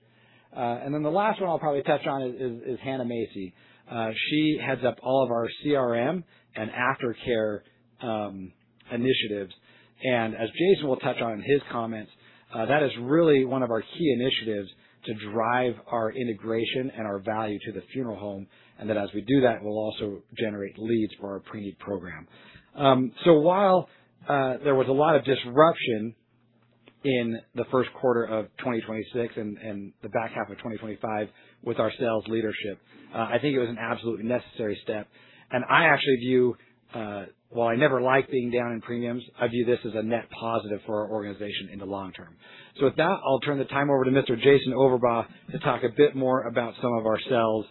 The last one I'll probably touch on is Hannah Macey. She heads up all of our CRM and aftercare initiatives. As Jason will touch on in his comments, that is really one of our key initiatives to drive our integration and our value to the funeral home, and that as we do that, we'll also generate leads for our Preneed program. While there was a lot of disruption in the first quarter of 2026 and the back half of 2025 with our sales leadership, I think it was an absolutely necessary step, and I actually view, while I never like being down in premiums, I view this as a net positive for our organization in the long term. With that, I'll turn the time over to Mr. Jason Overbaugh to talk a bit more about some of our sales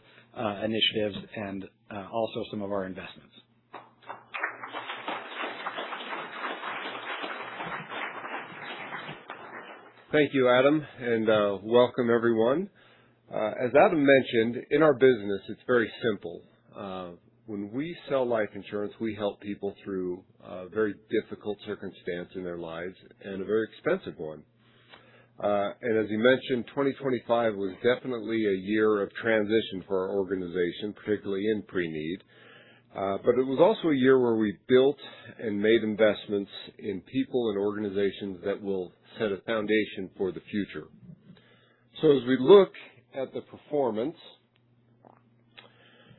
initiatives and also some of our investments. Thank you, Adam, and welcome everyone. As Adam mentioned, in our business, it's very simple. When we sell life insurance, we help people through a very difficult circumstance in their lives and a very expensive one. As you mentioned, 2025 was definitely a year of transition for our organization, particularly in Preneed. It was also a year where we built and made investments in people and organizations that will set a foundation for the future. As we look at the performance,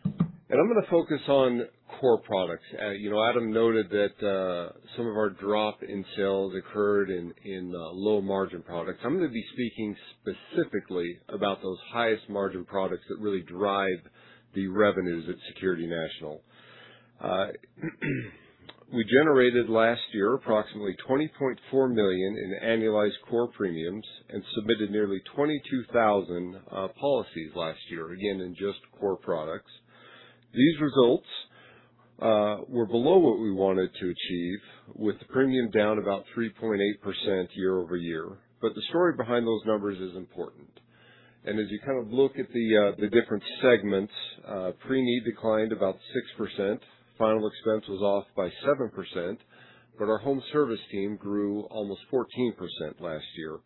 and I'm going to focus on core products. Adam noted that some of our drop in sales occurred in low margin products. I'm going to be speaking specifically about those highest margin products that really drive the revenues at Security National. We generated last year approximately $20.4 million in annualized core premiums and submitted nearly 22,000 policies last year, again, in just core products. These results were below what we wanted to achieve with the premium down about 3.8% year-over-year. The story behind those numbers is important. As you look at the different segments, Preneed declined about 6%, final expense was off by 7%, our home service team grew almost 14% last year.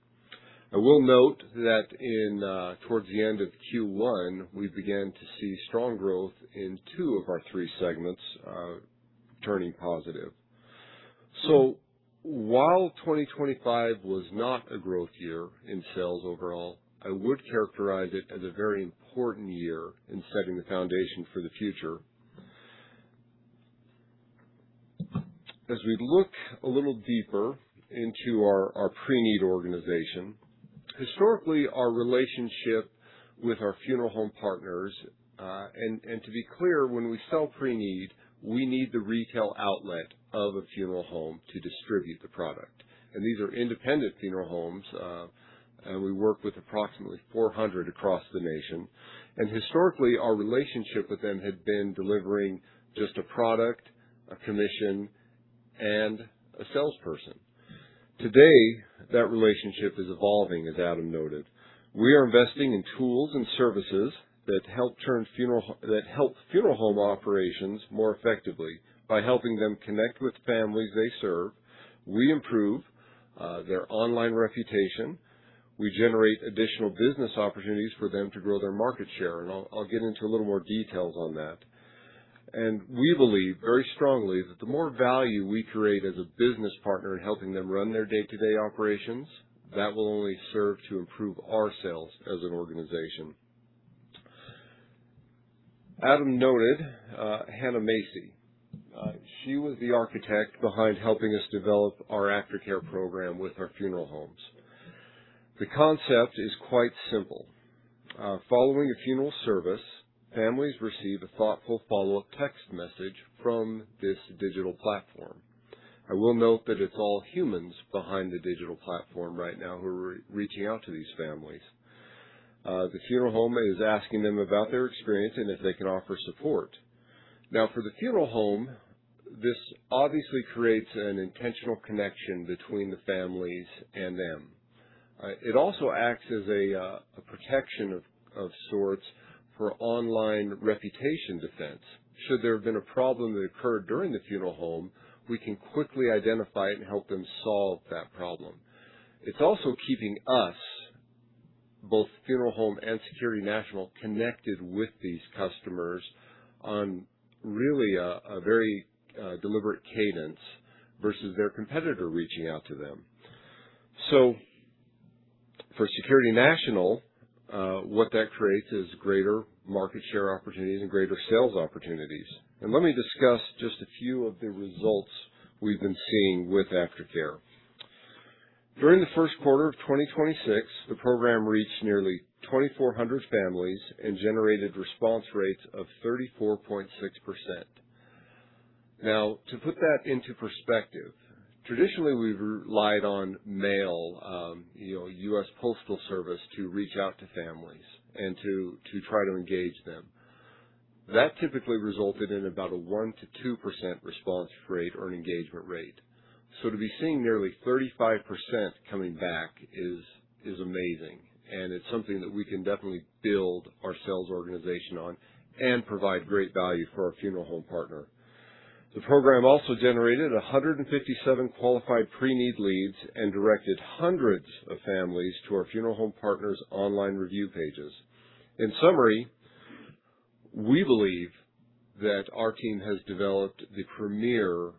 I will note that towards the end of Q1, we began to see strong growth in two of our three segments turning positive. While 2025 was not a growth year in sales overall, I would characterize it as a very important year in setting the foundation for the future. As we look a little deeper into our Preneed organization, historically, our relationship with our funeral home partners, and to be clear, when we sell Preneed, we need the retail outlet of a funeral home to distribute the product. These are independent funeral homes. We work with approximately 400 across the nation. Historically, our relationship with them had been delivering just a product, a commission, and a salesperson. Today, that relationship is evolving, as Adam noted. We are investing in tools and services that help funeral home operations more effectively by helping them connect with families they serve. We improve their online reputation. We generate additional business opportunities for them to grow their market share, and I'll get into a little more details on that. We believe very strongly that the more value we create as a business partner in helping them run their day-to-day operations, that will only serve to improve our sales as an organization. Adam noted Hannah Macey. She was the architect behind helping us develop our Aftercare program with our funeral homes. The concept is quite simple. Following a funeral service, families receive a thoughtful follow-up text message from this digital platform. I will note that it is all humans behind the digital platform right now who are reaching out to these families. The funeral home is asking them about their experience and if they can offer support. For the funeral home, this obviously creates an intentional connection between the families and them. It also acts as a protection of sorts for online reputation defense. Should there have been a problem that occurred during the funeral home, we can quickly identify it and help them solve that problem. It is also keeping us, both funeral home and Security National, connected with these customers on really a very deliberate cadence versus their competitor reaching out to them. For Security National, what that creates is greater market share opportunities and greater sales opportunities. Let me discuss just a few of the results we have been seeing with Aftercare. During the first quarter of 2026, the program reached nearly 2,400 families and generated response rates of 34.6%. To put that into perspective, traditionally, we have relied on mail, US Postal Service to reach out to families and to try to engage them. That typically resulted in about a 1%-2% response rate or an engagement rate. To be seeing nearly 35% coming back is amazing, and it is something that we can definitely build our sales organization on and provide great value for our funeral home partner. The program also generated 157 qualified preneed leads and directed hundreds of families to our funeral home partners' online review pages. In summary, we believe that our team has developed the premier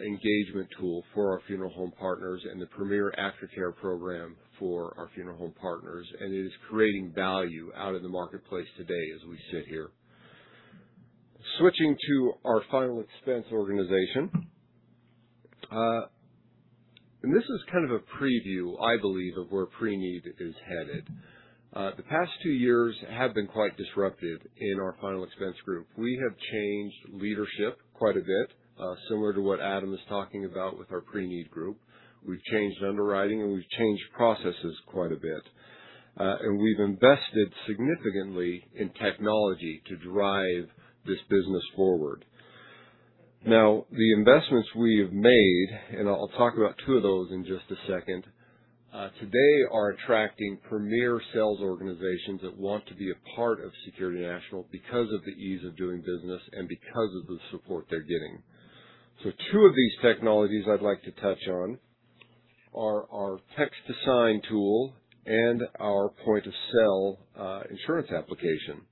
engagement tool for our funeral home partners and the premier Aftercare program for our funeral home partners, it is creating value out in the marketplace today as we sit here. Switching to our final expense organization. This is kind of a preview, I believe, of where preneed is headed. The past two years have been quite disruptive in our final expense group. We have changed leadership quite a bit, similar to what Adam is talking about with our preneed group. We have changed underwriting, and we have changed processes quite a bit. We have invested significantly in technology to drive this business forward. The investments we have made, and I will talk about two of those in just a second, today are attracting premier sales organizations that want to be a part of Security National because of the ease of doing business and because of the support they are getting. Two of these technologies I would like to touch on are our text to sign tool and our point-of-sale insurance application.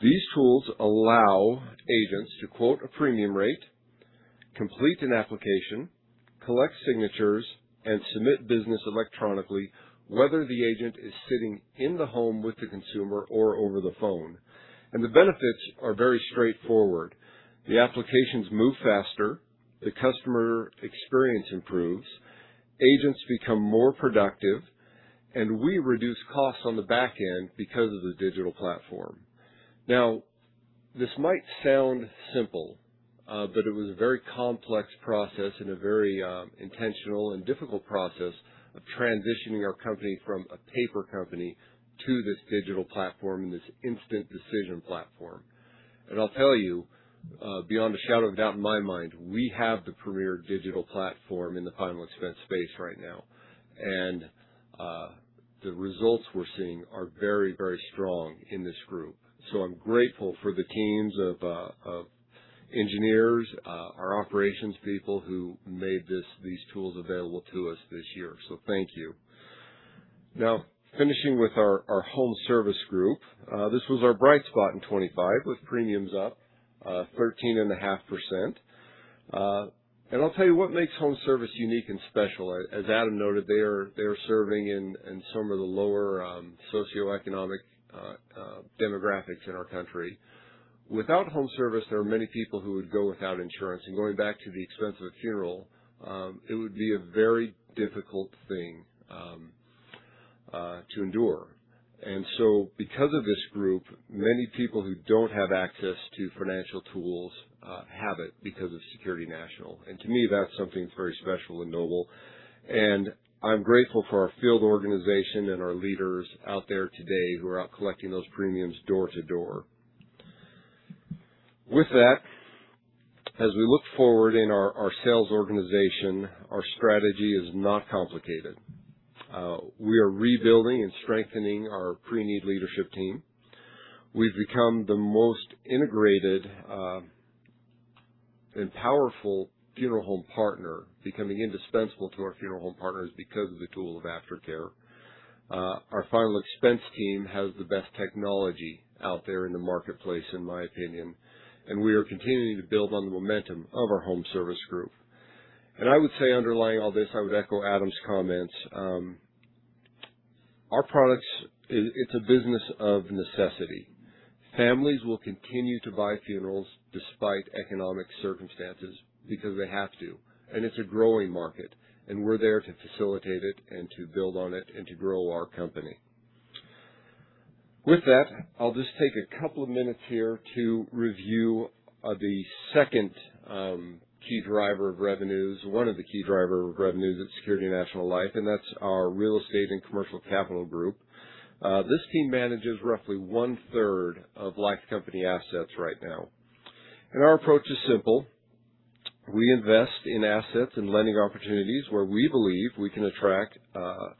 These tools allow agents to quote a premium rate, complete an application, collect signatures, and submit business electronically, whether the agent is sitting in the home with the consumer or over the phone. The benefits are very straightforward. The applications move faster, the customer experience improves, agents become more productive, and we reduce costs on the back end because of the digital platform. This might sound simple, it was a very complex process and a very intentional and difficult process of transitioning our company from a paper company to this digital platform and this instant decision platform. I'll tell you, beyond a shadow of a doubt in my mind, we have the premier digital platform in the final expense space right now, and the results we're seeing are very, very strong in this group. I'm grateful for the teams of engineers, our operations people who made these tools available to us this year. Thank you. Finishing with our Home Service group. This was our bright spot in 2025, with premiums up 13.5%. I'll tell you what makes Home Service unique and special. As Adam noted, they are serving in some of the lower socioeconomic demographics in our country. Without Home Service, there are many people who would go without insurance, and going back to the expense of a funeral, it would be a very difficult thing to endure. Because of this group, many people who don't have access to financial tools have it because of Security National. To me, that's something that's very special and noble. I'm grateful for our field organization and our leaders out there today who are out collecting those premiums door to door. With that, as we look forward in our sales organization, our strategy is not complicated. We are rebuilding and strengthening our pre-need leadership team. We've become the most integrated and powerful funeral home partner, becoming indispensable to our funeral home partners because of the tool of Aftercare. Our final expense team has the best technology out there in the marketplace, in my opinion, we are continuing to build on the momentum of our Home Service group. I would say underlying all this, I would echo Adam's comments. Our products, it's a business of necessity. Families will continue to buy funerals despite economic circumstances because they have to, and it's a growing market, and we're there to facilitate it and to build on it and to grow our company. With that, I'll just take a couple of minutes here to review the second key driver of revenues, one of the key driver of revenues at Security National Life, and that's our Real Estate and Commercial Capital group. This team manages roughly one-third of life company assets right now. Our approach is simple. We invest in assets and lending opportunities where we believe we can attract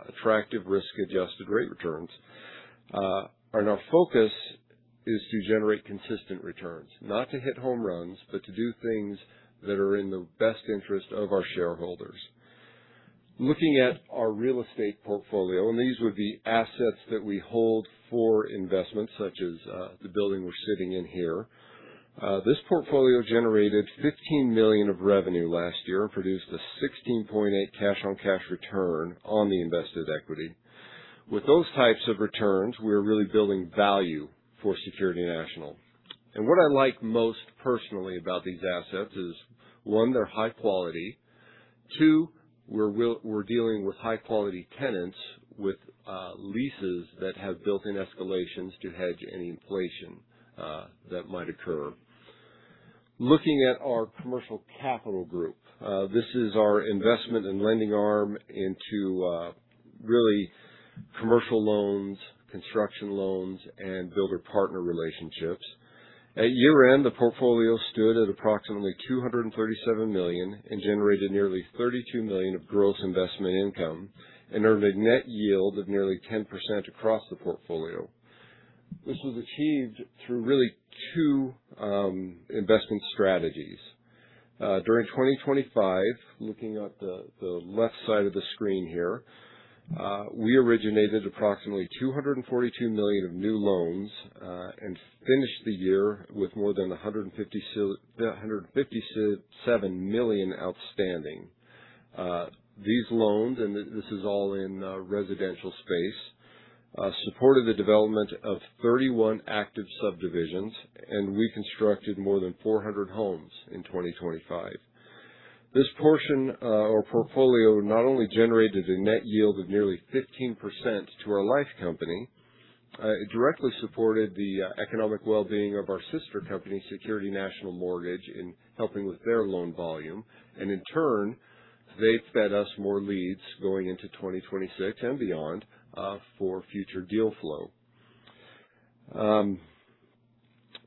attractive risk-adjusted rate returns. Our focus is to generate consistent returns, not to hit home runs, but to do things that are in the best interest of our shareholders. Looking at our real estate portfolio, and these would be assets that we hold for investment, such as the building we're sitting in here. This portfolio generated 15 million of revenue last year and produced a 16.8% cash-on-cash return on the invested equity. With those types of returns, we're really building value for Security National. What I like most personally about these assets is, 1, they're high quality. 2, we're dealing with high-quality tenants with leases that have built-in escalations to hedge any inflation that might occur. Looking at our commercial capital group, this is our investment and lending arm into really commercial loans, construction loans, and builder partner relationships. At year-end, the portfolio stood at approximately $237 million and generated nearly $32 million of gross investment income and earned a net yield of nearly 10% across the portfolio. This was achieved through really two investment strategies. During 2025, looking at the left side of the screen here, we originated approximately $242 million of new loans and finished the year with more than $157 million outstanding. These loans, and this is all in residential space, supported the development of 31 active subdivisions, and we constructed more than 400 homes in 2025. This portion of our portfolio not only generated a net yield of nearly 15% to our life company, it directly supported the economic well-being of our sister company, Security National Mortgage, in helping with their loan volume. In turn, they fed us more leads going into 2026 and beyond for future deal flow.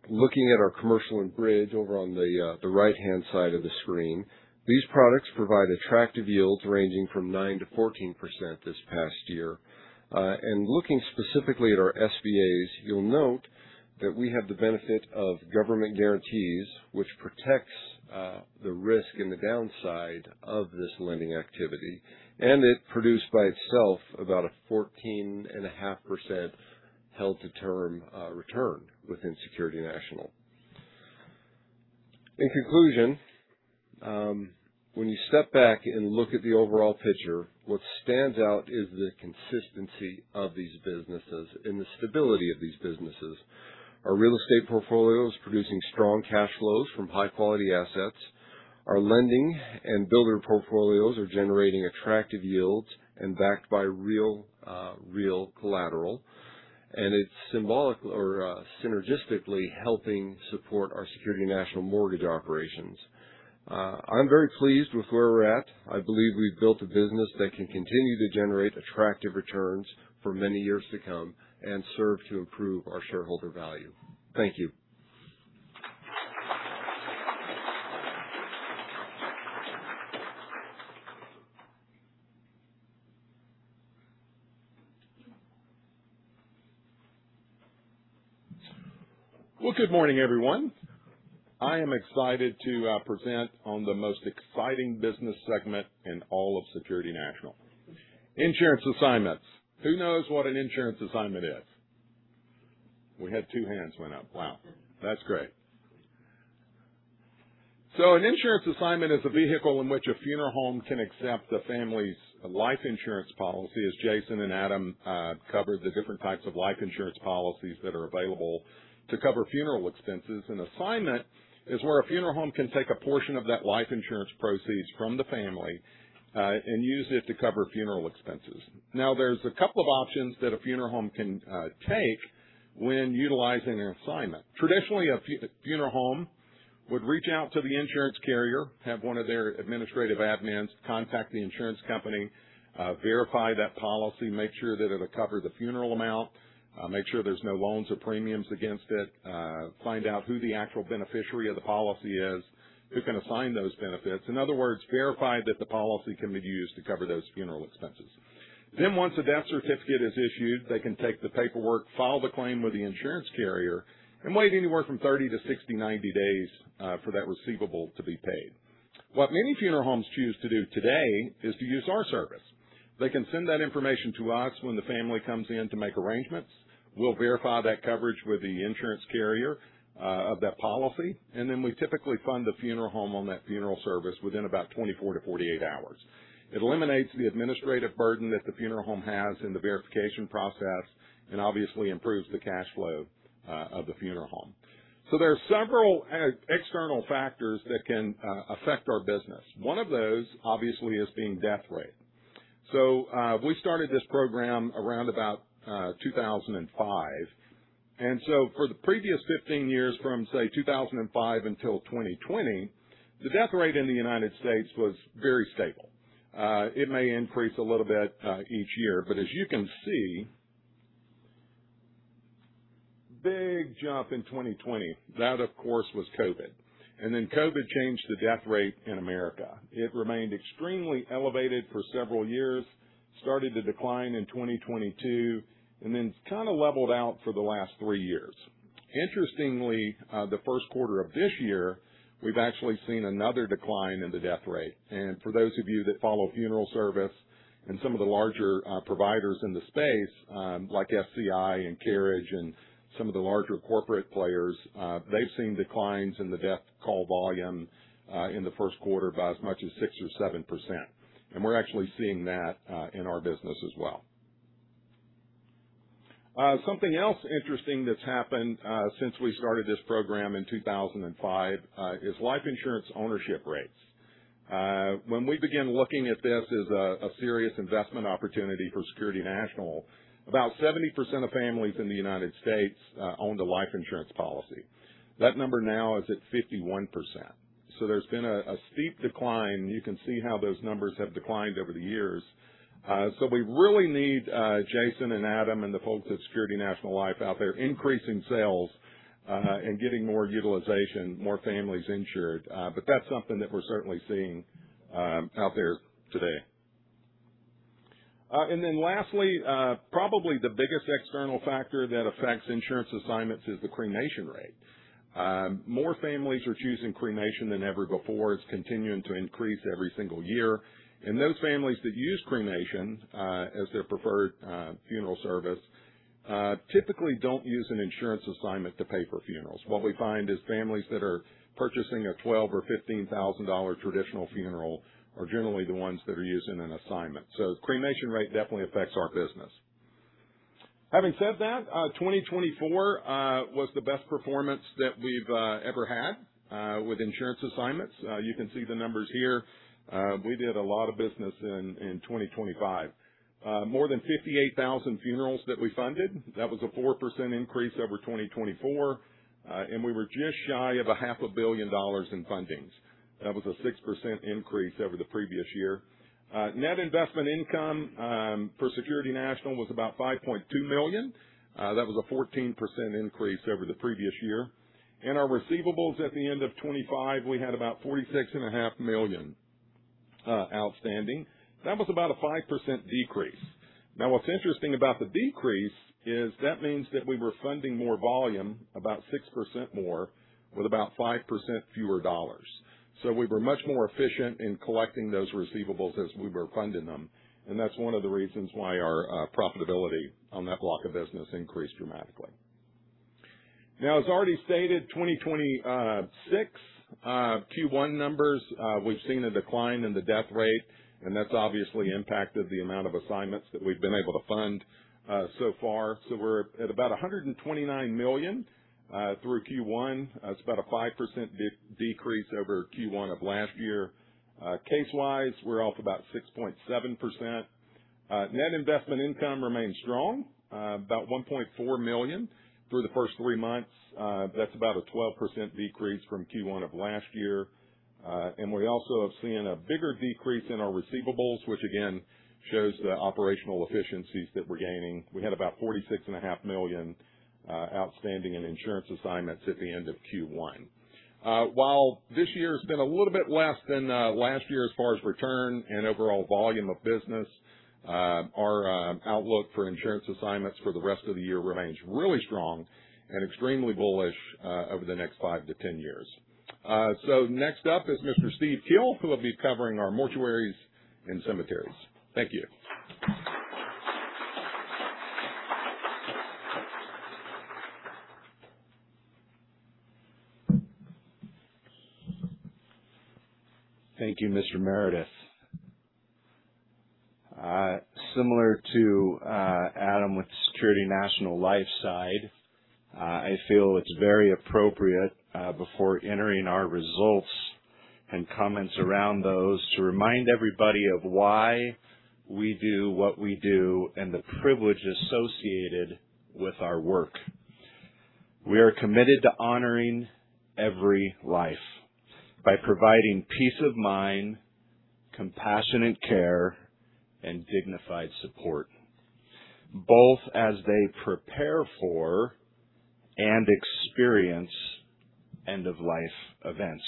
Looking at our commercial and bridge over on the right-hand side of the screen, these products provide attractive yields ranging from 9%-14% this past year. Looking specifically at our SBAs, you'll note that we have the benefit of government guarantees, which protects the risk and the downside of this lending activity, and it produced by itself about a 14.5% held to term return within Security National. In conclusion, when you step back and look at the overall picture, what stands out is the consistency of these businesses and the stability of these businesses. Our real estate portfolio is producing strong cash flows from high-quality assets. Our lending and builder portfolios are generating attractive yields and backed by real collateral, and it's synergistically helping support our Security National Mortgage operations. I'm very pleased with where we're at. I believe we've built a business that can continue to generate attractive returns for many years to come and serve to improve our shareholder value. Thank you. Well, good morning, everyone. I am excited to present on the most exciting business segment in all of Security National. Insurance assignments. Who knows what an insurance assignment is? We had two hands went up. Wow. That's great. An insurance assignment is a vehicle in which a funeral home can accept a family's life insurance policy, as Jason and Adam covered the different types of life insurance policies that are available to cover funeral expenses. An assignment is where a funeral home can take a portion of that life insurance proceeds from the family, and use it to cover funeral expenses. Now, there's a couple of options that a funeral home can take when utilizing an assignment. Traditionally, a funeral home would reach out to the insurance carrier, have one of their administrative admins contact the insurance company, verify that policy, make sure that it'll cover the funeral amount, make sure there's no loans or premiums against it, find out who the actual beneficiary of the policy is, who can assign those benefits. In other words, verify that the policy can be used to cover those funeral expenses. Once a death certificate is issued, they can take the paperwork, file the claim with the insurance carrier, and wait anywhere from 30 to 60, 90 days for that receivable to be paid. What many funeral homes choose to do today is to use our service. They can send that information to us when the family comes in to make arrangements. We'll verify that coverage with the insurance carrier of that policy, we typically fund the funeral home on that funeral service within about 24 to 48 hours. It eliminates the administrative burden that the funeral home has in the verification process and obviously improves the cash flow of the funeral home. There are several external factors that can affect our business. One of those, obviously, is being death rate. We started this program around about 2005, for the previous 15 years from, say, 2005 until 2020, the death rate in the United States was very stable. It may increase a little bit each year, but as you can see, big jump in 2020. That, of course, was COVID. COVID changed the death rate in America. It remained extremely elevated for several years, started to decline in 2022, kind of leveled out for the last three years. Interestingly, the first quarter of this year, we've actually seen another decline in the death rate. For those of you that follow funeral service and some of the larger providers in the space, like SCI and Carriage and some of the larger corporate players, they've seen declines in the death call volume, in the first quarter by as much as six or seven %. We're actually seeing that in our business as well. Something else interesting that's happened, since we started this program in 2005, is life insurance ownership rates. When we began looking at this as a serious investment opportunity for Security National, about 70% of families in the United States owned a life insurance policy. That number now is at 51%. There's been a steep decline, you can see how those numbers have declined over the years. We really need Jason and Adam and the folks at Security National Life out there increasing sales, getting more utilization, more families insured. That's something that we're certainly seeing out there today. Lastly, probably the biggest external factor that affects insurance assignments is the cremation rate. More families are choosing cremation than ever before. It's continuing to increase every single year. Those families that use cremation as their preferred funeral service, typically don't use an insurance assignment to pay for funerals. What we find is families that are purchasing a $12,000 or $15,000 traditional funeral are generally the ones that are using an assignment. Cremation rate definitely affects our business. Having said that, 2024 was the best performance that we've ever had with insurance assignments. You can see the numbers here. We did a lot of business in 2025. More than 58,000 funerals that we funded. That was a 4% increase over 2024. We were just shy of a half a billion dollars in fundings. That was a 6% increase over the previous year. Net investment income for Security National was about $5.2 million. That was a 14% increase over the previous year. Our receivables at the end of 2025, we had about $46.5 million outstanding. That was about a 5% decrease. What's interesting about the decrease is that means that we were funding more volume, about 6% more, with about 5% fewer dollars. We were much more efficient in collecting those receivables as we were funding them, and that's one of the reasons why our profitability on that block of business increased dramatically. As already stated, 2026 Q1 numbers, we've seen a decline in the death rate, that's obviously impacted the amount of assignments that we've been able to fund so far. We're at about $129 million through Q1. It's about a 5% decrease over Q1 of last year. Case wise, we're off about 6.7%. Net investment income remains strong, about $1.4 million through the first three months. That's about a 12% decrease from Q1 of last year. We also have seen a bigger decrease in our receivables, which again, shows the operational efficiencies that we're gaining. We had about $46.5 million outstanding in insurance assignments at the end of Q1. While this year's been a little bit less than last year as far as return and overall volume of business, our outlook for insurance assignments for the rest of the year remains really strong and extremely bullish over the next 5 to 10 years. Next up is Mr. Steve Kiel, who will be covering our mortuaries and cemeteries. Thank you. Thank you, Mr. Meredith. Similar to Adam with the Security National Life side, I feel it's very appropriate, before entering our results and comments around those, to remind everybody of why we do what we do and the privilege associated with our work. We are committed to honoring every life by providing peace of mind, compassionate care, and dignified support, both as they prepare for and experience end-of-life events.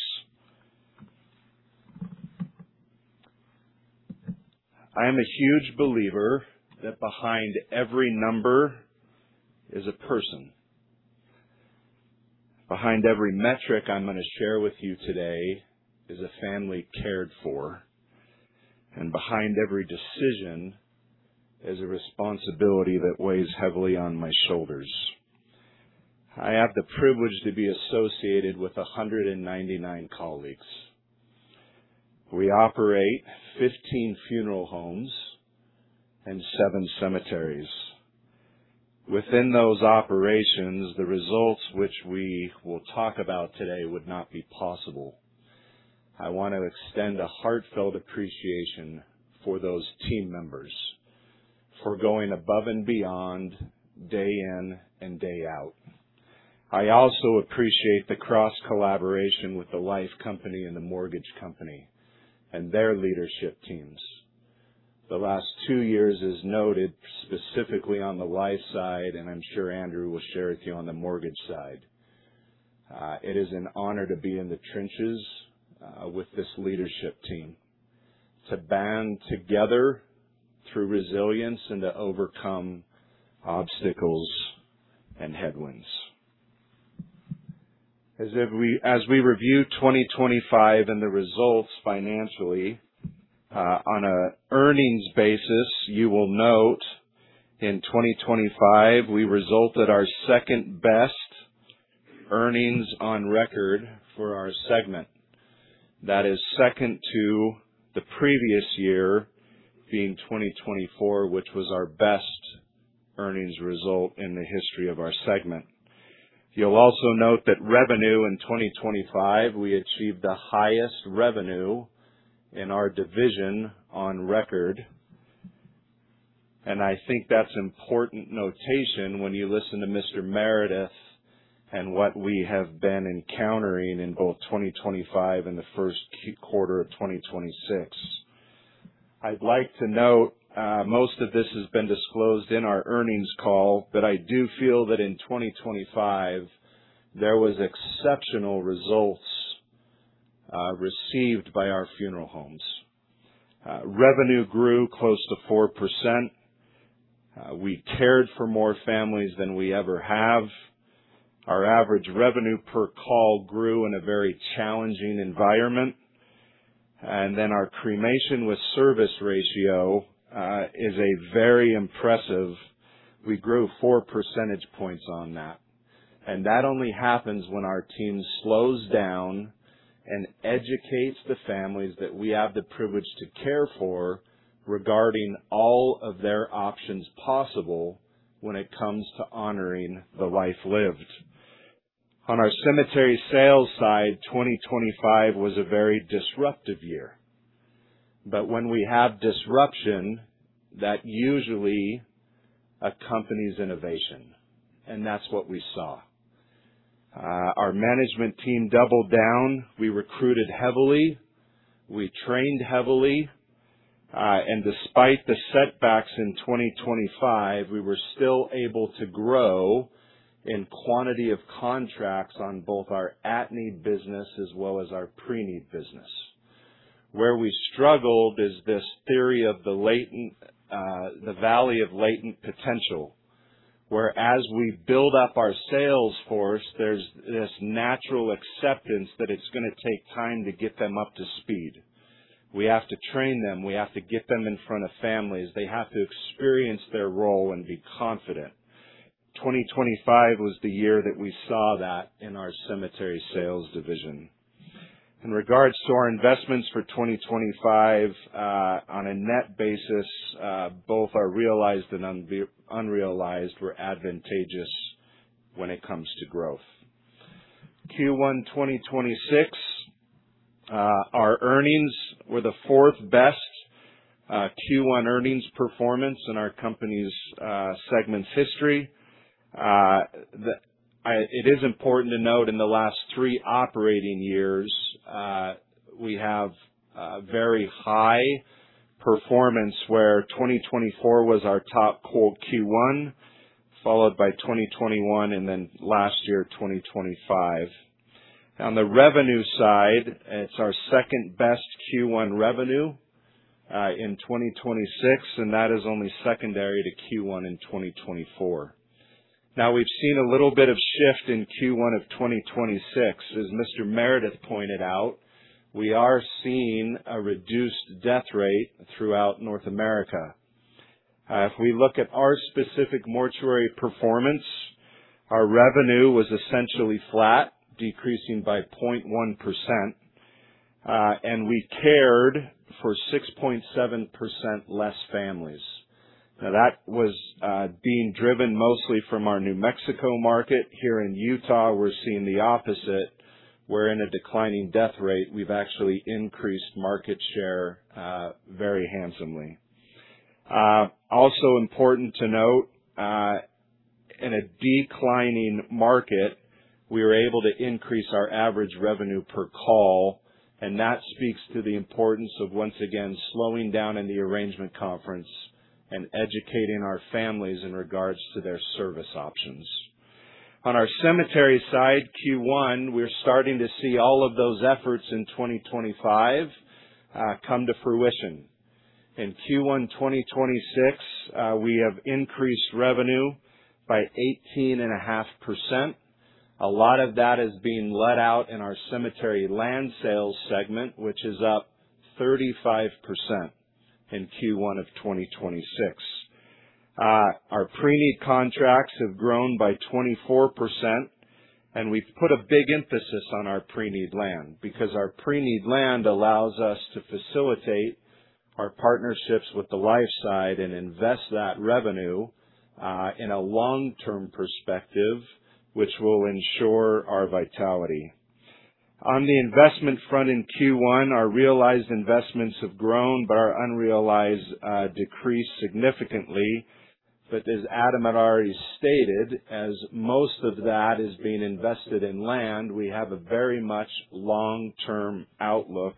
I am a huge believer that behind every number is a person. Behind every metric I'm going to share with you today is a family cared for, and behind every decision is a responsibility that weighs heavily on my shoulders. I have the privilege to be associated with 199 colleagues. We operate 15 funeral homes and 7 cemeteries. Within those operations, the results which we will talk about today would not be possible. I want to extend a heartfelt appreciation for those team members for going above and beyond, day in and day out. I also appreciate the cross-collaboration with the Life company and the Mortgage company and their leadership teams. The last two years is noted specifically on the Life side, and I'm sure Andrew will share with you on the Mortgage side. It is an honor to be in the trenches, with this leadership team, to band together through resilience and to overcome obstacles and headwinds. As we review 2025 and the results financially, on an earnings basis, you will note in 2025, we resulted our second-best earnings on record for our segment. That is second to the previous year being 2024, which was our best earnings result in the history of our segment. You'll also note that revenue in 2025, we achieved the highest revenue in our division on record, and I think that's important notation when you listen to Mr. Meredith and what we have been encountering in both 2025 and the first quarter of 2026. I'd like to note, most of this has been disclosed in our earnings call, but I do feel that in 2025, there was exceptional results received by our funeral homes. Revenue grew close to 4%. We cared for more families than we ever have. Our average revenue per call grew in a very challenging environment. Our cremation with service ratio is a very impressive. We grew four percentage points on that, and that only happens when our team slows down and educates the families that we have the privilege to care for regarding all of their options possible when it comes to honoring the life lived. On our cemetery sales side, 2025 was a very disruptive year. When we have disruption, that usually accompanies innovation, and that's what we saw. Our management team doubled down. We recruited heavily. We trained heavily. Despite the setbacks in 2025, we were still able to grow in quantity of contracts on both our at-need business as well as our pre-need business. Where we struggled is this theory of the valley of latent potential, where as we build up our sales force, there's this natural acceptance that it's going to take time to get them up to speed. We have to train them. We have to get them in front of families. They have to experience their role and be confident. 2025 was the year that we saw that in our cemetery sales division. In regards to our investments for 2025, on a net basis, both our realized and unrealized were advantageous when it comes to growth. For Q1 2026, our earnings were the fourth best Q1 earnings performance in our company's segments history. It is important to note in the last three operating years, we have very high performance where 2024 was our top Q1, followed by 2021, and then last year, 2025. On the revenue side, it's our second-best Q1 revenue, in 2026, and that is only secondary to Q1 in 2024. Now, we've seen a little bit of shift in Q1 of 2026. As Mr. Meredith pointed out, we are seeing a reduced death rate throughout North America. If we look at our specific mortuary performance, our revenue was essentially flat, decreasing by 0.1%, and we cared for 6.7% less families. That was being driven mostly from our New Mexico market. Here in Utah, we're seeing the opposite. We're in a declining death rate. We've actually increased market share very handsomely. Also important to note, in a declining market, we were able to increase our average revenue per call, and that speaks to the importance of, once again, slowing down in the arrangement conference and educating our families in regards to their service options. On our cemetery side, Q1, we're starting to see all of those efforts in 2025 come to fruition. In Q1 2026, we have increased revenue by 18.5%. A lot of that is being let out in our cemetery land sales segment, which is up 35% in Q1 of 2026. Our pre-need contracts have grown by 24%, and we've put a big emphasis on our pre-need land, because our pre-need land allows us to facilitate our partnerships with the life side and invest that revenue in a long-term perspective, which will ensure our vitality. On the investment front in Q1, our realized investments have grown, our unrealized decreased significantly. As Adam had already stated, as most of that is being invested in land, we have a very much long-term outlook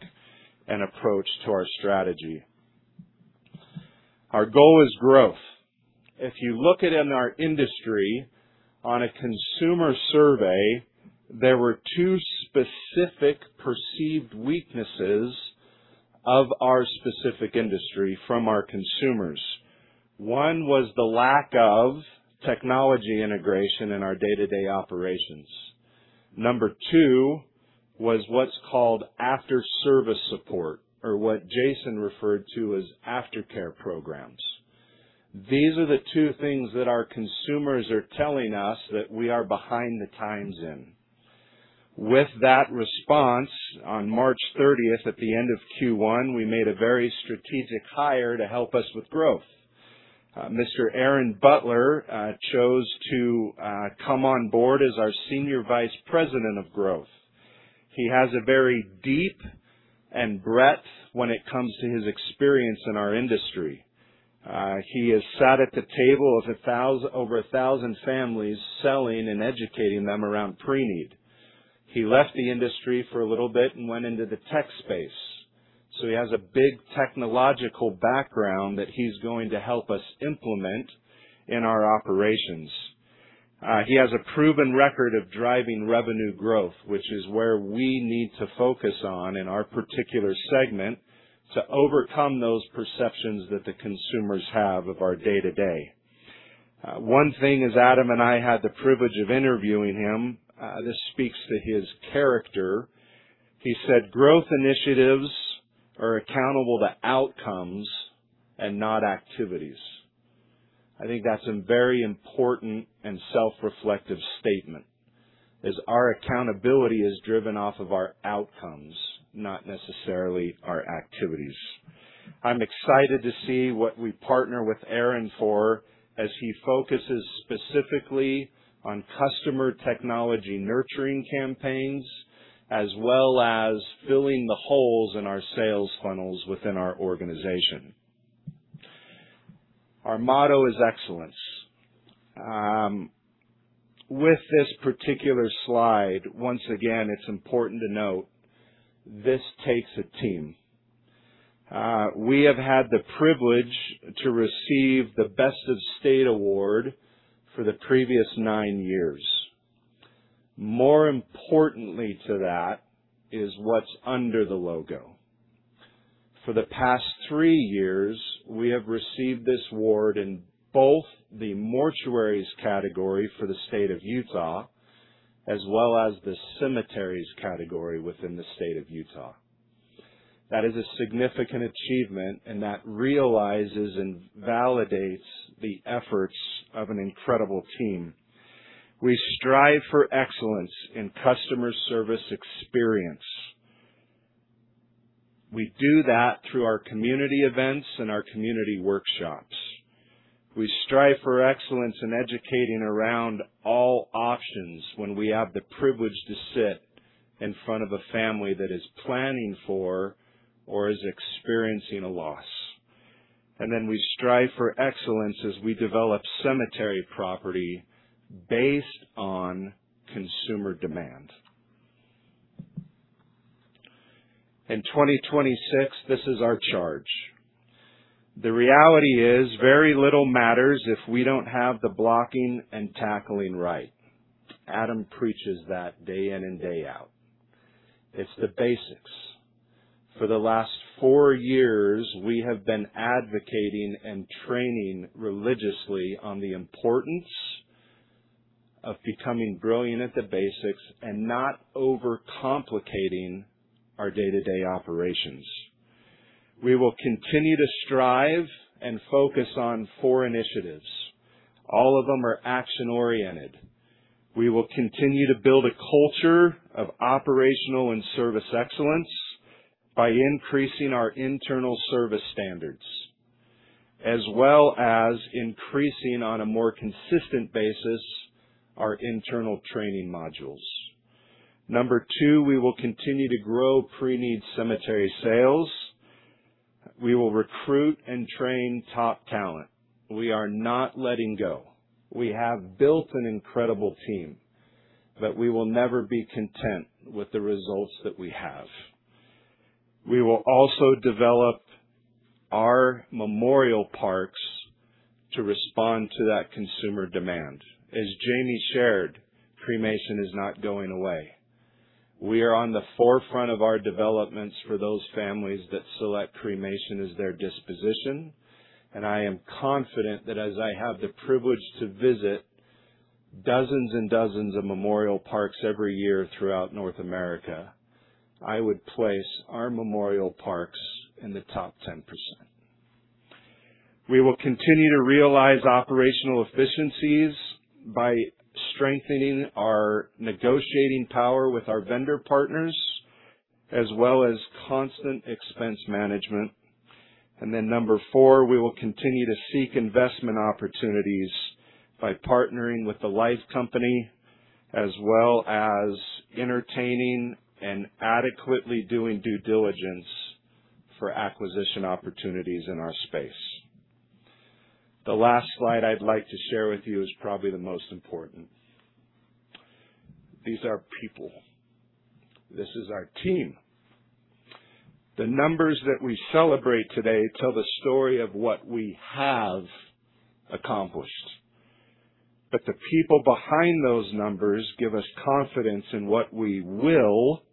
and approach to our strategy. Our goal is growth. If you look at in our industry on a consumer survey, there were two specific perceived weaknesses of our specific industry from our consumers. One was the lack of technology integration in our day-to-day operations. Number two was what's called after-service support, or what Jason referred to as aftercare programs. These are the two things that our consumers are telling us that we are behind the times in. With that response, on March 30th, at the end of Q1, we made a very strategic hire to help us with growth. Mr. Aaron Butler chose to come on board as our Senior Vice President of Growth. He has a very deep and breadth when it comes to his experience in our industry. He has sat at the table of over 1,000 families, selling and educating them around pre-need. He left the industry for a little bit and went into the tech space, he has a big technological background that he's going to help us implement in our operations. He has a proven record of driving revenue growth, which is where we need to focus on in our particular segment to overcome those perceptions that the consumers have of our day-to-day. One thing, as Adam and I had the privilege of interviewing him, this speaks to his character. He said growth initiatives are accountable to outcomes and not activities. I think that's a very important and self-reflective statement, as our accountability is driven off of our outcomes, not necessarily our activities. I'm excited to see what we partner with Aaron for as he focuses specifically on customer technology nurturing campaigns, as well as filling the holes in our sales funnels within our organization. Our motto is excellence. With this particular slide, once again, it's important to note, this takes a team. We have had the privilege to receive the Best of State Award for the previous nine years. More importantly to that is what's under the logo. For the past three years, we have received this award in both the mortuaries category for the state of Utah, as well as the cemeteries category within the state of Utah. That is a significant achievement, and that realizes and validates the efforts of an incredible team. We strive for excellence in customer service experience. We do that through our community events and our community workshops. We strive for excellence in educating around all options when we have the privilege to sit in front of a family that is planning for or is experiencing a loss. We strive for excellence as we develop cemetery property based on consumer demand. In 2026, this is our charge. The reality is very little matters if we don't have the blocking and tackling right. Adam preaches that day in and day out. It's the basics. For the last four years, we have been advocating and training religiously on the importance of becoming brilliant at the basics and not overcomplicating our day-to-day operations. We will continue to strive and focus on four initiatives. All of them are action-oriented. We will continue to build a culture of operational and service excellence by increasing our internal service standards, as well as increasing, on a more consistent basis, our internal training modules. Number two, we will continue to grow pre-need cemetery sales. We will recruit and train top talent. We are not letting go. We have built an incredible team, but we will never be content with the results that we have. We will also develop our memorial parks to respond to that consumer demand. As Jamie shared, cremation is not going away. We are on the forefront of our developments for those families that select cremation as their disposition, and I am confident that as I have the privilege to visit dozens and dozens of memorial parks every year throughout North America, I would place our memorial parks in the top 10%. We will continue to realize operational efficiencies by strengthening our negotiating power with our vendor partners, as well as constant expense management. Number four, we will continue to seek investment opportunities by partnering with the Life company, as well as entertaining and adequately doing due diligence for acquisition opportunities in our space. The last slide I'd like to share with you is probably the most important. These are people. This is our team. The numbers that we celebrate today tell the story of what we have accomplished. The people behind those numbers give us confidence in what we will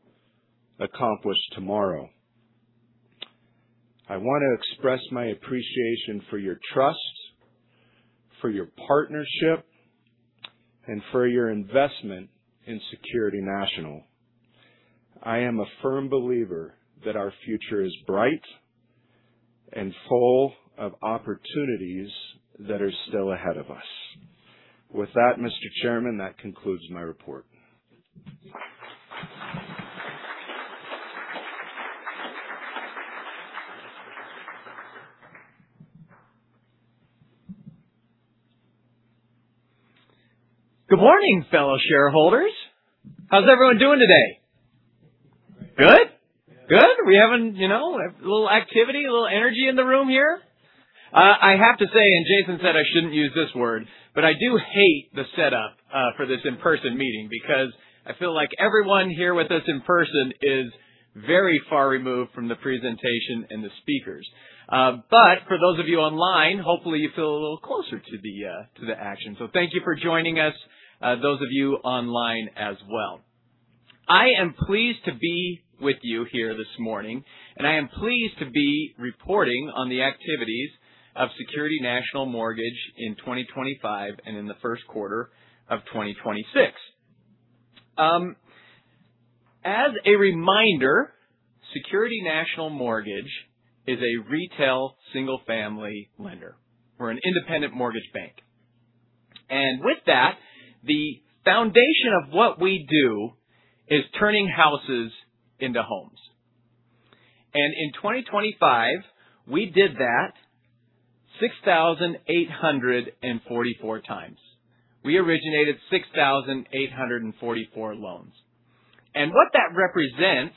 accomplish tomorrow. I want to express my appreciation for your trust, for your partnership, and for your investment in Security National. I am a firm believer that our future is bright and full of opportunities that are still ahead of us. With that, Mr. Chairman, that concludes my report. Good morning, fellow shareholders. How's everyone doing today? Good? Good. We having a little activity, a little energy in the room here. I have to say, Jason said I shouldn't use this word, but I do hate the setup for this in-person meeting because I feel like everyone here with us in person is very far removed from the presentation and the speakers. For those of you online, hopefully you feel a little closer to the action. Thank you for joining us, those of you online as well. I am pleased to be with you here this morning, and I am pleased to be reporting on the activities of Security National Mortgage in 2025 and in the first quarter of 2026. As a reminder, Security National Mortgage is a retail single-family lender. We're an independent mortgage bank. With that, the foundation of what we do is turning houses into homes. In 2025, we did that 6,844 times. We originated 6,844 loans. What that represents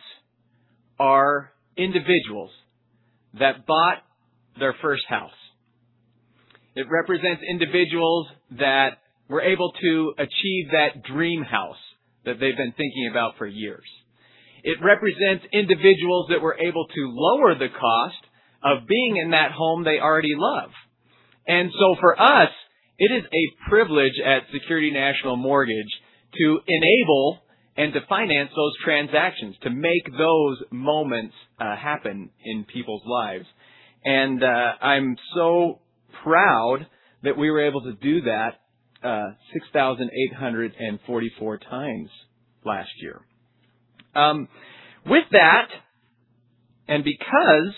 are individuals that bought their first house. It represents individuals that were able to achieve that dream house that they've been thinking about for years. It represents individuals that were able to lower the cost of being in that home they already love. For us, it is a privilege at Security National Mortgage to enable and to finance those transactions, to make those moments happen in people's lives. I'm so proud that we were able to do that 6,844 times last year. With that, because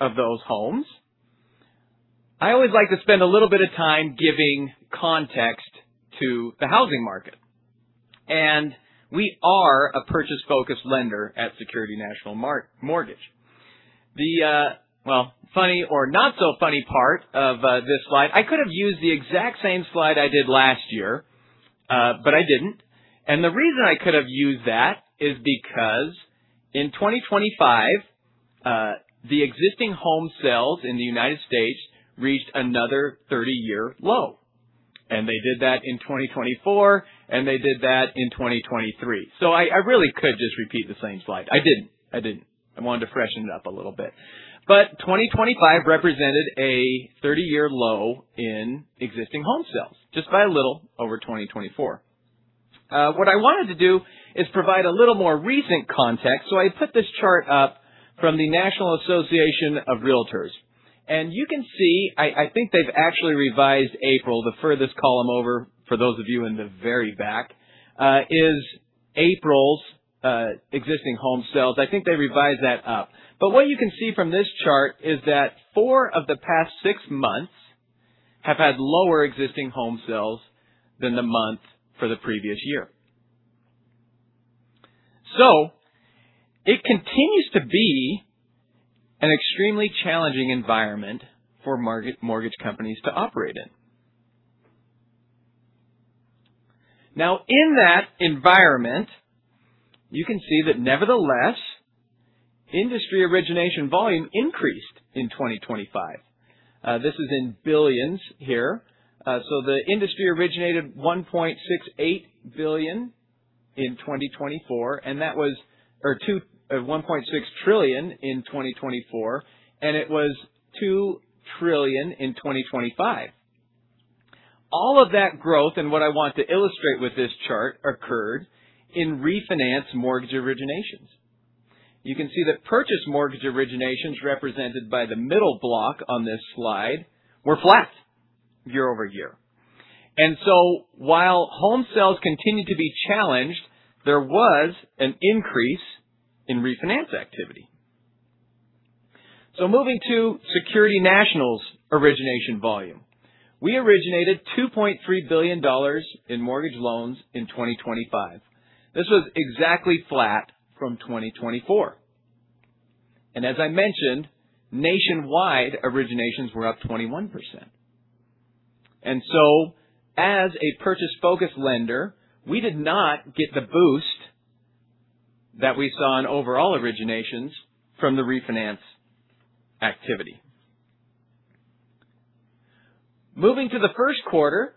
of those homes I always like to spend a little bit of time giving context to the housing market. We are a purchase-focused lender at Security National Mortgage. The funny or not so funny part of this slide, I could have used the exact same slide I did last year, but I didn't. The reason I could have used that is because in 2025, the existing home sales in the U.S. reached another 30-year low, and they did that in 2024, and they did that in 2023. I really could just repeat the same slide. I didn't. I wanted to freshen it up a little bit. 2025 represented a 30-year low in existing home sales, just by a little, over 2024. What I wanted to do is provide a little more recent context, so I put this chart up from the National Association of REALTORS. You can see, I think they've actually revised April. The furthest column over, for those of you in the very back, is April's existing home sales. I think they revised that up. What you can see from this chart is that four of the past six months have had lower existing home sales than the month for the previous year. It continues to be an extremely challenging environment for mortgage companies to operate in. Now, in that environment, you can see that nevertheless, industry origination volume increased in 2025. This is in billions here. The industry originated $1.6 trillion in 2024, and it was $2 trillion in 2025. All of that growth, what I want to illustrate with this chart, occurred in refinance mortgage originations. You can see that purchase mortgage originations, represented by the middle block on this slide, were flat year-over-year. While home sales continued to be challenged, there was an increase in refinance activity. Moving to Security National's origination volume. We originated $2.3 billion in mortgage loans in 2025. This was exactly flat from 2024. As I mentioned, nationwide originations were up 21%. As a purchase-focused lender, we did not get the boost that we saw in overall originations from the refinance activity. Moving to the first quarter,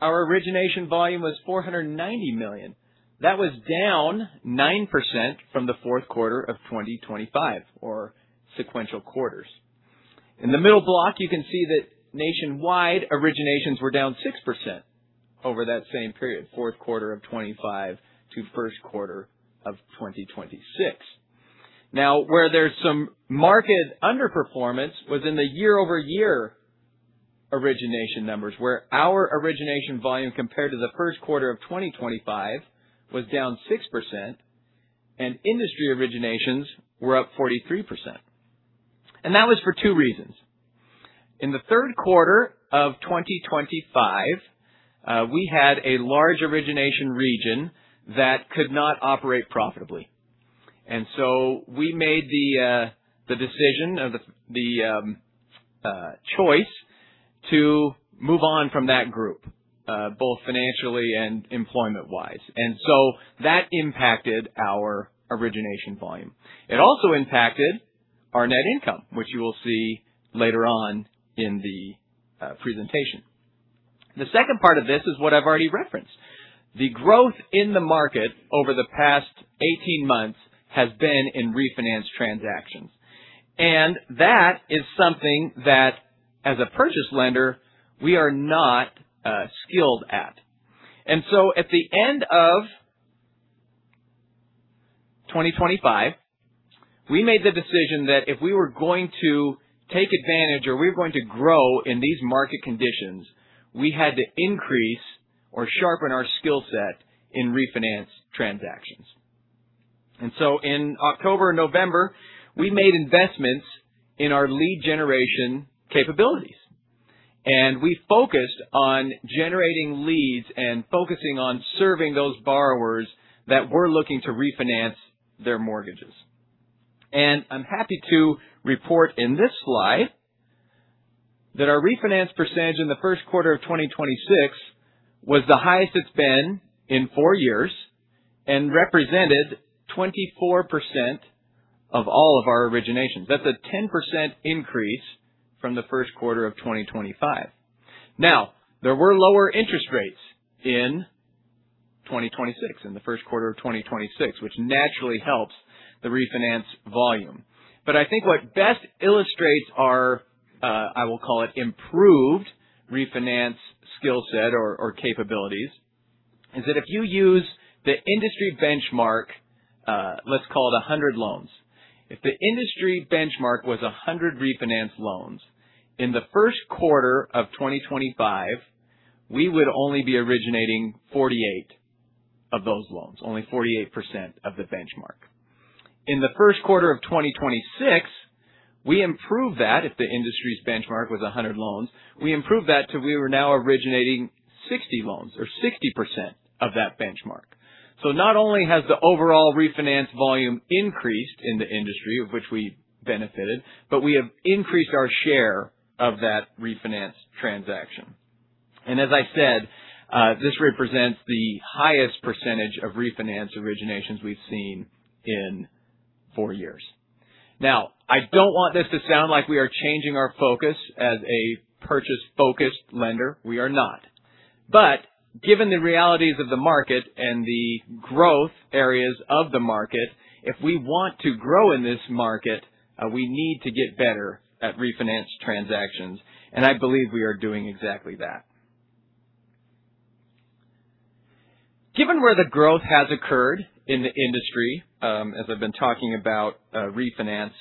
our origination volume was $490 million. That was down 9% from the fourth quarter of 2025, or sequential quarters. In the middle block, you can see that nationwide originations were down 6% over that same period, fourth quarter of 2025 to first quarter of 2026. Now, where there's some market underperformance was in the year-over-year origination numbers, where our origination volume compared to the first quarter of 2025 was down 6%, and industry originations were up 43%. That was for two reasons. In the third quarter of 2025, we had a large origination region that could not operate profitably. We made the decision or the choice to move on from that group, both financially and employment-wise. That impacted our origination volume. It also impacted our net income, which you will see later on in the presentation. The second part of this is what I've already referenced. The growth in the market over the past 18 months has been in refinance transactions. That is something that, as a purchase lender, we are not skilled at. At the end of 2025, we made the decision that if we were going to take advantage or we were going to grow in these market conditions, we had to increase or sharpen our skill set in refinance transactions. In October and November, we made investments in our lead generation capabilities, we focused on generating leads and focusing on serving those borrowers that were looking to refinance their mortgages. I'm happy to report in this slide that our refinance percentage in the first quarter of 2026 was the highest it's been in four years and represented 24% of all of our originations. That's a 10% increase from the first quarter of 2025. Now, there were lower interest rates in 2026, in the first quarter of 2026, which naturally helps the refinance volume. I think what best illustrates our, I will call it improved refinance skill set or capabilities, is that if you use the industry benchmark, let's call it 100 loans. If the industry benchmark was 100 refinance loans, in the first quarter of 2025, we would only be originating 48 of those loans, only 48% of the benchmark. In the first quarter of 2026, we improved that, if the industry's benchmark was 100 loans, we improved that till we were now originating 60 loans or 60% of that benchmark. Not only has the overall refinance volume increased in the industry, of which we benefited, but we have increased our share of that refinance transaction. As I said, this represents the highest percentage of refinance originations we've seen in four years. I don't want this to sound like we are changing our focus as a purchase-focused lender. We are not. Given the realities of the market and the growth areas of the market, if we want to grow in this market, we need to get better at refinance transactions, and I believe we are doing exactly that. Given where the growth has occurred in the industry, as I've been talking about refinance,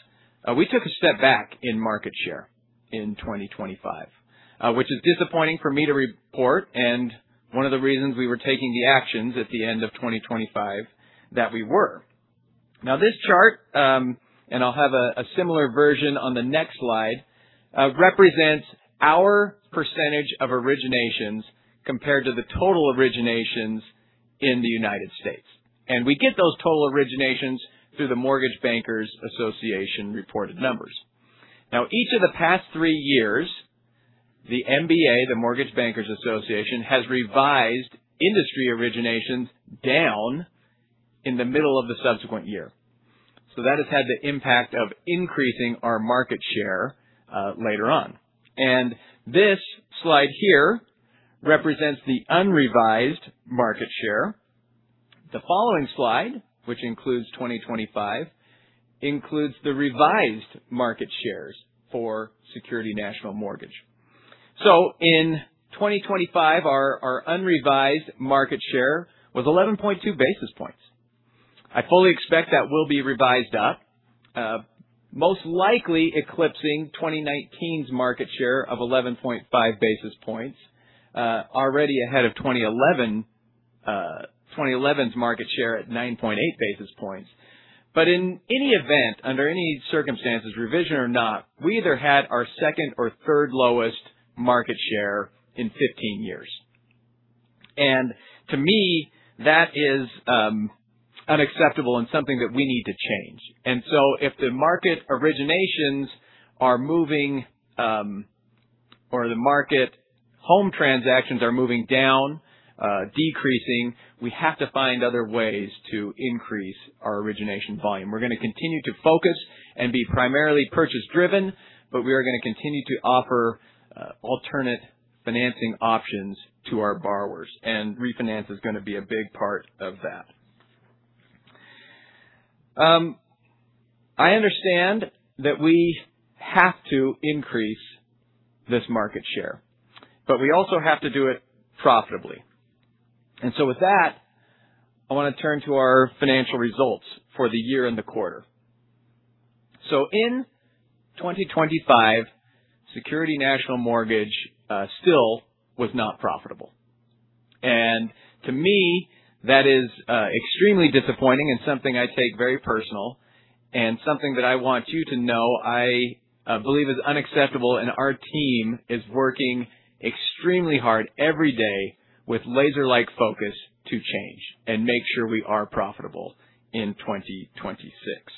we took a step back in market share in 2025, which is disappointing for me to report and one of the reasons we were taking the actions at the end of 2025 that we were. This chart, and I'll have a similar version on the next slide, represents our percentage of originations compared to the total originations in the United States. We get those total originations through the Mortgage Bankers Association reported numbers. Each of the past three years, the MBA, the Mortgage Bankers Association, has revised industry originations down in the middle of the subsequent year. That has had the impact of increasing our market share later on. This slide here represents the unrevised market share. The following slide, which includes 2025, includes the revised market shares for Security National Mortgage. In 2025, our unrevised market share was 11.2 basis points. I fully expect that will be revised up, most likely eclipsing 2019's market share of 11.5 basis points, already ahead of 2011's market share at 9.8 basis points. In any event, under any circumstances, revision or not, we either had our second or third lowest market share in 15 years. To me, that is unacceptable and something that we need to change. If the market originations are moving, or the market home transactions are moving down, decreasing, we have to find other ways to increase our origination volume. We're going to continue to focus and be primarily purchase-driven, but we are going to continue to offer alternate financing options to our borrowers, and refinance is going to be a big part of that. I understand that we have to increase this market share, but we also have to do it profitably. With that, I want to turn to our financial results for the year and the quarter. In 2025, Security National Mortgage still was not profitable. To me, that is extremely disappointing and something I take very personal and something that I want you to know I believe is unacceptable, and our team is working extremely hard every day with laser-like focus to change and make sure we are profitable in 2026.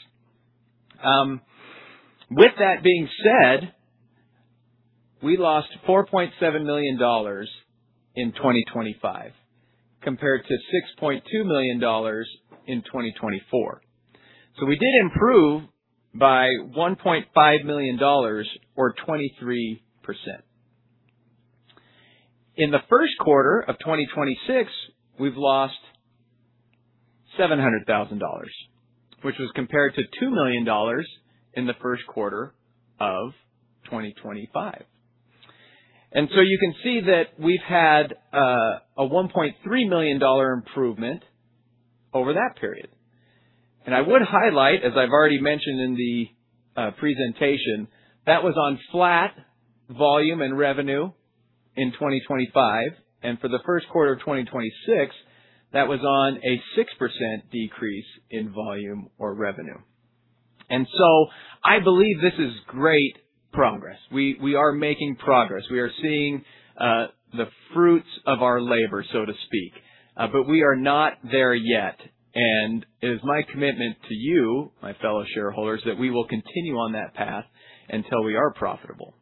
With that being said, we lost $4.7 million in 2025, compared to $6.2 million in 2024. We did improve by $1.5 million, or 23%. In the first quarter of 2026, we've lost $700,000, which was compared to $2 million in the first quarter of 2025. You can see that we've had a $1.3 million improvement over that period. I would highlight, as I've already mentioned in the presentation, that was on flat volume and revenue in 2025. For the first quarter of 2026, that was on a 6% decrease in volume or revenue. I believe this is great progress. We are making progress. We are seeing the fruits of our labor, so to speak. We are not there yet. It is my commitment to you, my fellow shareholders, that we will continue on that path until we are profitable.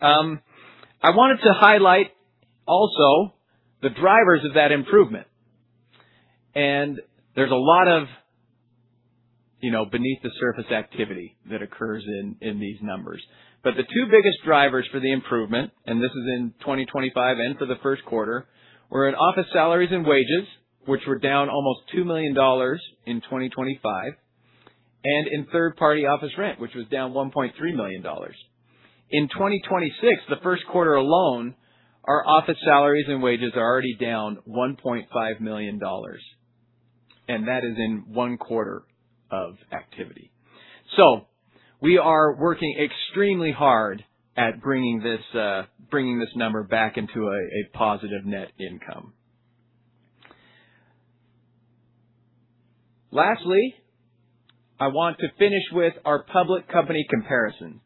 I wanted to highlight also the drivers of that improvement. There's a lot of beneath the surface activity that occurs in these numbers. The two biggest drivers for the improvement, and this is in 2025 and for the first quarter, were in office salaries and wages, which were down almost $2 million in 2025, and in third-party office rent, which was down $1.3 million. In 2026, the first quarter alone, our office salaries and wages are already down $1.5 million, and that is in one quarter of activity. We are working extremely hard at bringing this number back into a positive net income. Lastly, I want to finish with our public company comparison.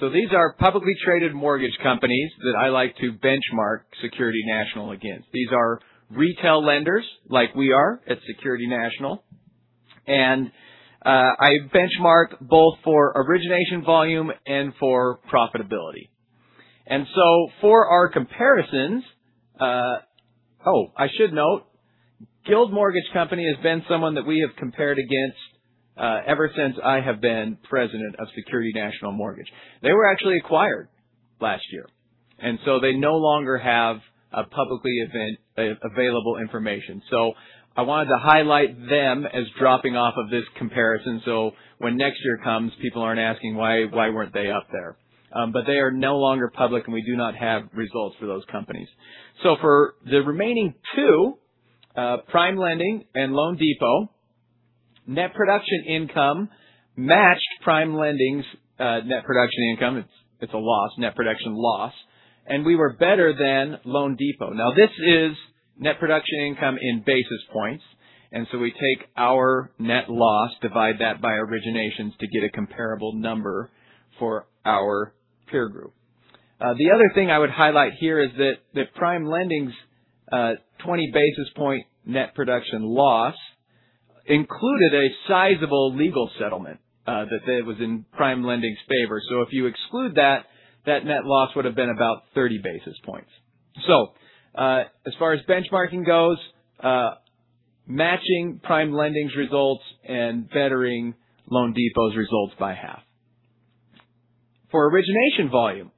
These are publicly traded mortgage companies that I like to benchmark Security National against. These are retail lenders like we are at Security National, and I benchmark both for origination volume and for profitability. For our comparisons-- oh, I should note, Guild Mortgage Company has been someone that we have compared against ever since I have been president of Security National Mortgage. They were actually acquired last year, they no longer have publicly available information. I wanted to highlight them as dropping off of this comparison, so when next year comes, people aren't asking why weren't they up there. They are no longer public, and we do not have results for those companies. For the remaining two, PrimeLending and loanDepot, net production income matched PrimeLending's net production income. It's a loss, net production loss. We were better than loanDepot. This is net production income in basis points, we take our net loss, divide that by originations to get a comparable number for our peer group. The other thing I would highlight here is that PrimeLending's 20 basis point net production loss included a sizable legal settlement that was in PrimeLending's favor. If you exclude that net loss would've been about 30 basis points. As far as benchmarking goes, matching PrimeLending's results and bettering loanDepot's results by half. For origination volume,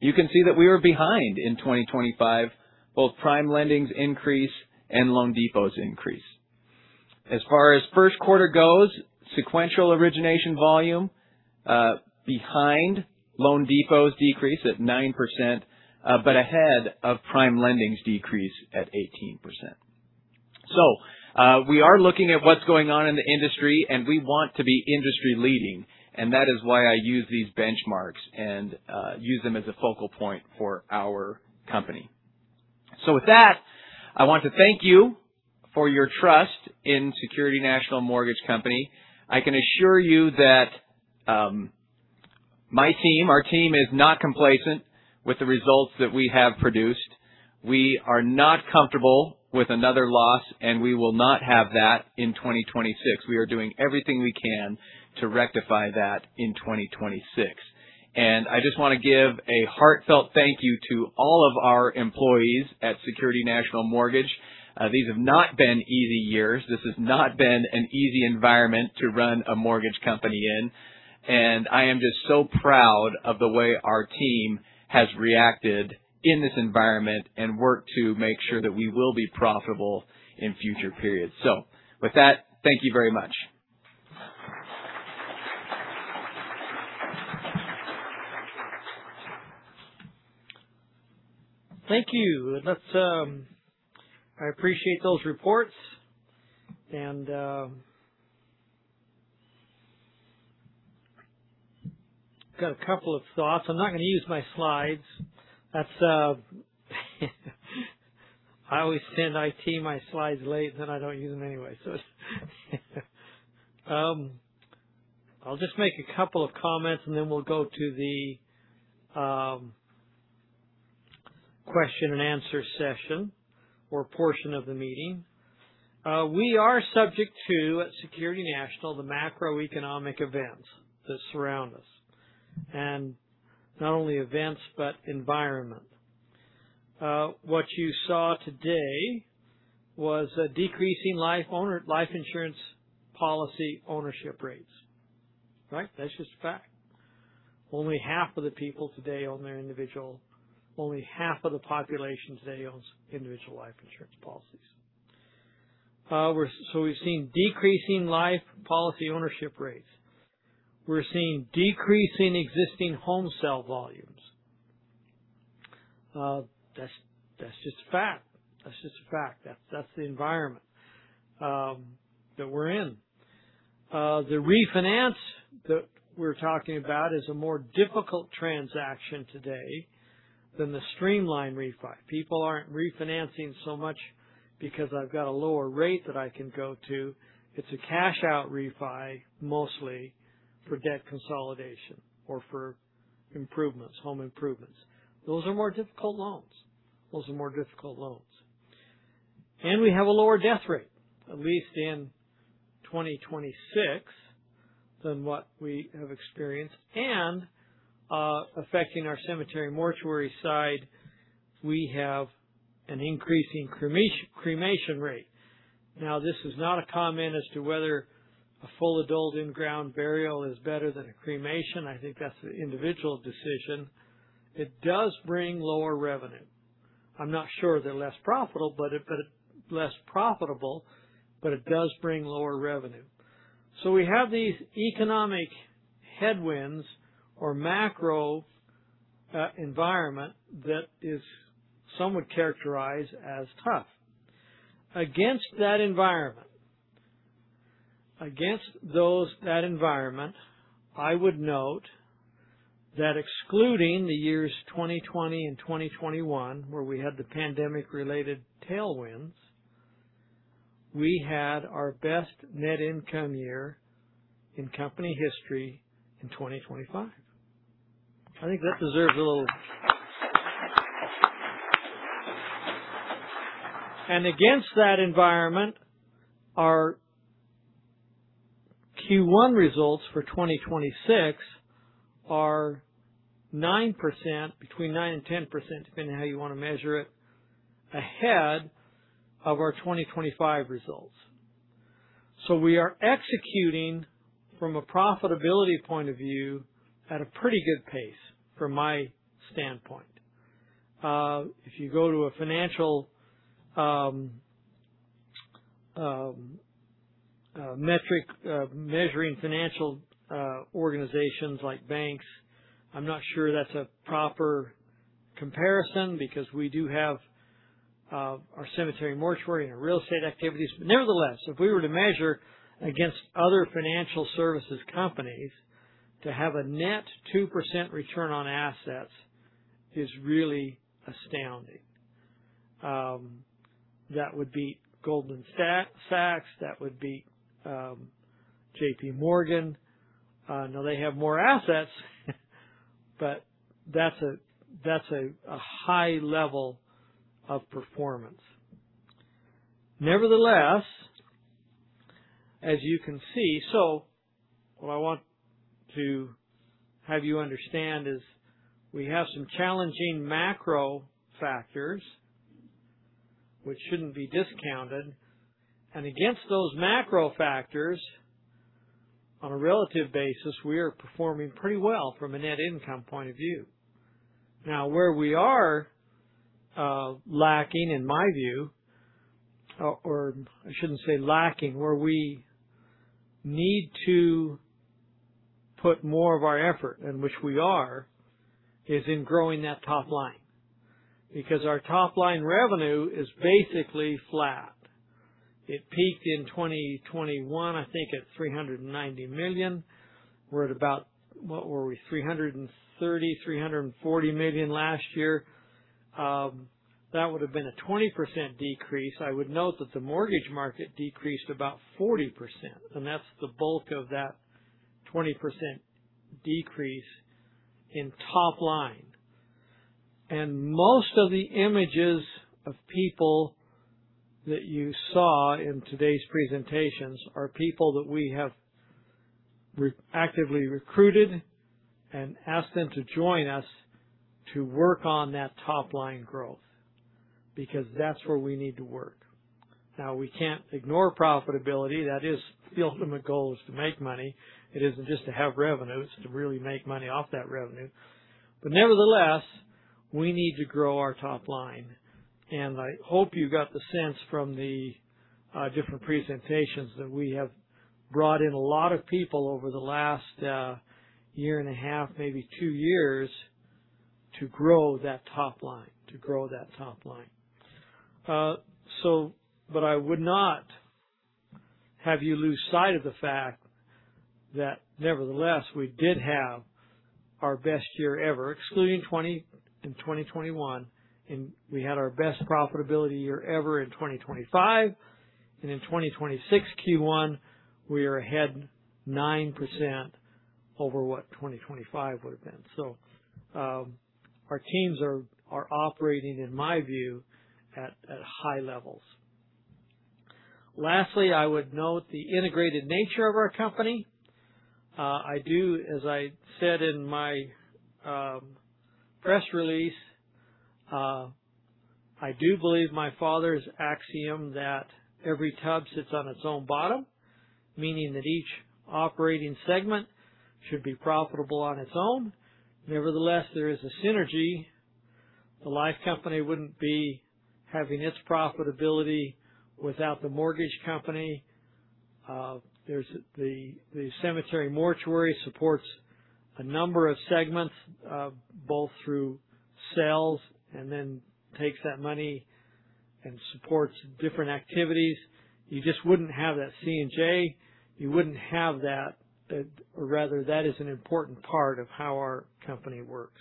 you can see that we were behind in 2025, both PrimeLending's increase and loanDepot's increase. As far as first quarter goes, sequential origination volume, behind loanDepot's decrease at 9%, but ahead of PrimeLending's decrease at 18%. We are looking at what's going on in the industry, we want to be industry leading, that is why I use these benchmarks and use them as a focal point for our company. With that, I want to thank you for your trust in Security National Mortgage Company. I can assure you that my team, our team, is not complacent with the results that we have produced. We are not comfortable with another loss, we will not have that in 2026. We are doing everything we can to rectify that in 2026. I just want to give a heartfelt thank you to all of our employees at Security National Mortgage. These have not been easy years. This has not been an easy environment to run a mortgage company in. I am just so proud of the way our team has reacted in this environment and worked to make sure that we will be profitable in future periods. With that, thank you very much. Thank you. I appreciate those reports. Got a couple of thoughts. I'm not going to use my slides. I always send IT my slides late. Then I don't use them anyway. I'll just make a couple of comments. Then we'll go to the question and answer session or portion of the meeting. We are subject to, at Security National, the macroeconomic events that surround us. Not only events, but environment. What you saw today was a decreasing life insurance policy ownership rates. Right? That's just a fact. Only half of the population today owns individual life insurance policies. We've seen decreasing life policy ownership rates. We're seeing decreasing existing home sale volumes. That's just a fact. That's the environment that we're in. The refinance that we're talking about is a more difficult transaction today than the streamline refi. People aren't refinancing so much because I've got a lower rate that I can go to. It's a cash out refi mostly for debt consolidation or for home improvements. Those are more difficult loans. We have a lower death rate, at least in 2026, than what we have experienced. Affecting our cemetery mortuary side, we have an increasing cremation rate. This is not a comment as to whether a full adult in-ground burial is better than a cremation. I think that's an individual decision. It does bring lower revenue. I'm not sure they're less profitable, but it does bring lower revenue. We have these economic headwinds or macro environment that some would characterize as tough. Against that environment, I would note that excluding the years 2020 and 2021, where we had the pandemic-related tailwinds, we had our best net income year in company history in 2025. I think that deserves a little. Against that environment, our Q1 results for 2026 are 9%, between 9% and 10%, depending on how you want to measure it, ahead of our 2025 results. We are executing from a profitability point of view at a pretty good pace from my standpoint. If you go to a financial metric, measuring financial organizations like banks, I'm not sure that's a proper comparison because we do have our cemetery and mortuary and our real estate activities. Nevertheless, if we were to measure against other financial services companies, to have a net 2% return on assets is really astounding. That would be Goldman Sachs. That would be JP Morgan. They have more assets, but that's a high level of performance. Nevertheless, as you can see, what I want to have you understand is we have some challenging macro factors which shouldn't be discounted. Against those macro factors, on a relative basis, we are performing pretty well from a net income point of view. Where we are lacking, in my view, or I shouldn't say lacking, where we need to put more of our effort, and which we are, is in growing that top line. Our top line revenue is basically flat. It peaked in 2021, I think at $390 million. We're at about, what were we? $330 million-$340 million last year. That would have been a 20% decrease. I would note that the mortgage market decreased about 40%, and that's the bulk of that 20% decrease in top line. Most of the images of people that you saw in today's presentations are people that we have actively recruited and asked them to join us to work on that top-line growth, because that's where we need to work. We can't ignore profitability. That is the ultimate goal is to make money. It isn't just to have revenue. It's to really make money off that revenue. Nevertheless, we need to grow our top line. I hope you got the sense from the different presentations that we have brought in a lot of people over the last year and a half, maybe two years, to grow that top line. I would not have you lose sight of the fact that nevertheless, we did have our best year ever, excluding 2020 and 2021, and we had our best profitability year ever in 2025. In 2026 Q1, we are ahead 9% over what 2025 would have been. Our teams are operating, in my view, at high levels. Lastly, I would note the integrated nature of our company. As I said in my press release, I do believe my father's axiom that every tub sits on its own bottom, meaning that each operating segment should be profitable on its own. Nevertheless, there is a synergy. The life company wouldn't be having its profitability without the mortgage company. The cemetery and mortuary supports a number of segments, both through sales, and then takes that money and supports different activities. You just wouldn't have that C&J. You wouldn't have that, or rather, that is an important part of how our company works.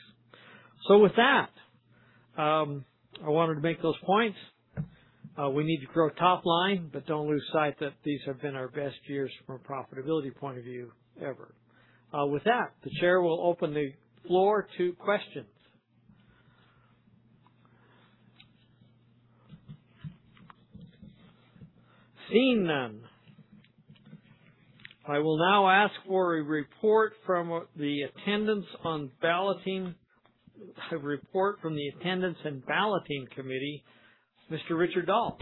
With that, I wanted to make those points. We need to grow top line, don't lose sight that these have been our best years from a profitability point of view ever. With that, the chair will open the floor to questions. Seeing none, I will now ask for a report from the attendance and balloting committee, Mr. Richard Dahl.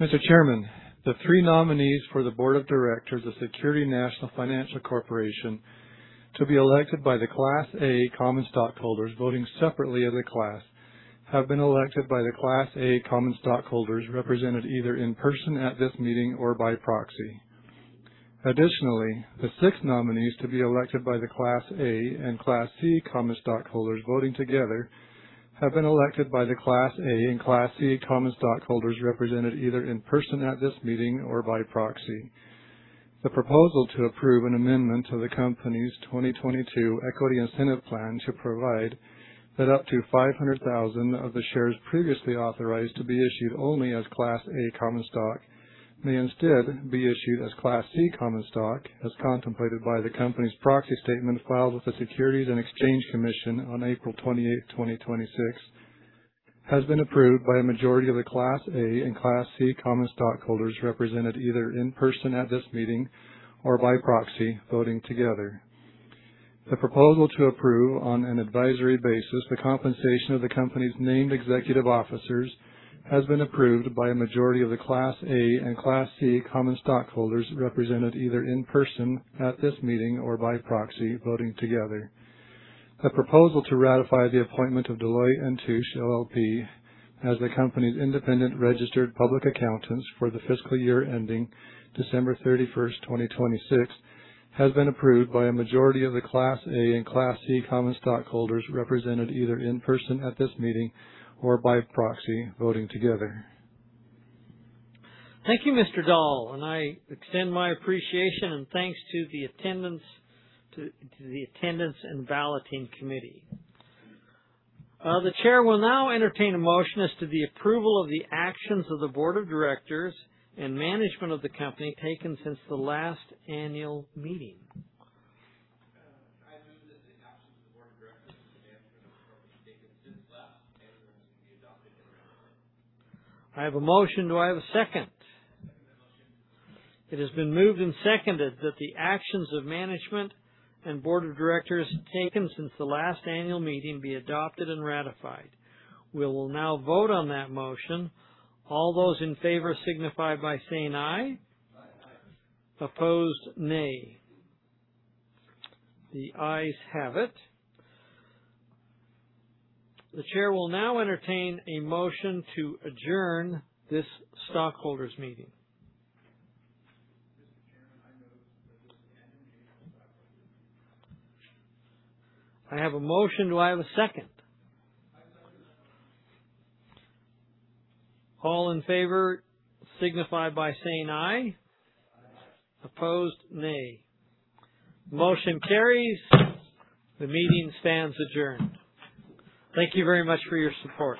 Mr. Chairman, the three nominees for the board of directors of Security National Financial Corporation to be elected by the Class A common stockholders voting separately as a class, have been elected by the Class A common stockholders represented either in person at this meeting or by proxy. Additionally, the six nominees to be elected by the Class A and Class C common stockholders voting together have been elected by the Class A and Class C common stockholders represented either in person at this meeting or by proxy. The proposal to approve an amendment to the company's 2022 Equity Incentive Plan to provide that up to 500,000 of the shares previously authorized to be issued only as Class A common stock may instead be issued as Class C common stock, as contemplated by the company's proxy statement filed with the Securities and Exchange Commission on April 28, 2026, has been approved by a majority of the Class A and Class C common stockholders represented either in person at this meeting or by proxy voting together. The proposal to approve, on an advisory basis, the compensation of the company's named executive officers has been approved by a majority of the Class A and Class C common stockholders represented either in person at this meeting or by proxy voting together. A proposal to ratify the appointment of Deloitte & Touche LLP as the company's independent registered public accountants for the fiscal year ending December 31st, 2026, has been approved by a majority of the Class A and Class C common stockholders represented either in person at this meeting or by proxy voting together. Thank you, Mr. Dahl. I extend my appreciation and thanks to the attendance and balloting committee. The chair will now entertain a motion as to the approval of the actions of the board of directors and management of the company taken since the last annual meeting. I move that the actions of the board of directors and management of the company taken since the last annual meeting be adopted and ratified. I have a motion. Do I have a second? I second that motion. It has been moved and seconded that the actions of management and board of directors taken since the last annual meeting be adopted and ratified. We will now vote on that motion. All those in favor signify by saying "Aye. Aye. Opposed, nay. The ayes have it. The chair will now entertain a motion to adjourn this stockholders meeting. Mr. Chairman, I move that this annual meeting is now adjourned. I have a motion. Do I have a second? I second that motion. All in favor signify by saying "Aye. Aye. Opposed, nay. Motion carries. The meeting stands adjourned. Thank you very much for your support.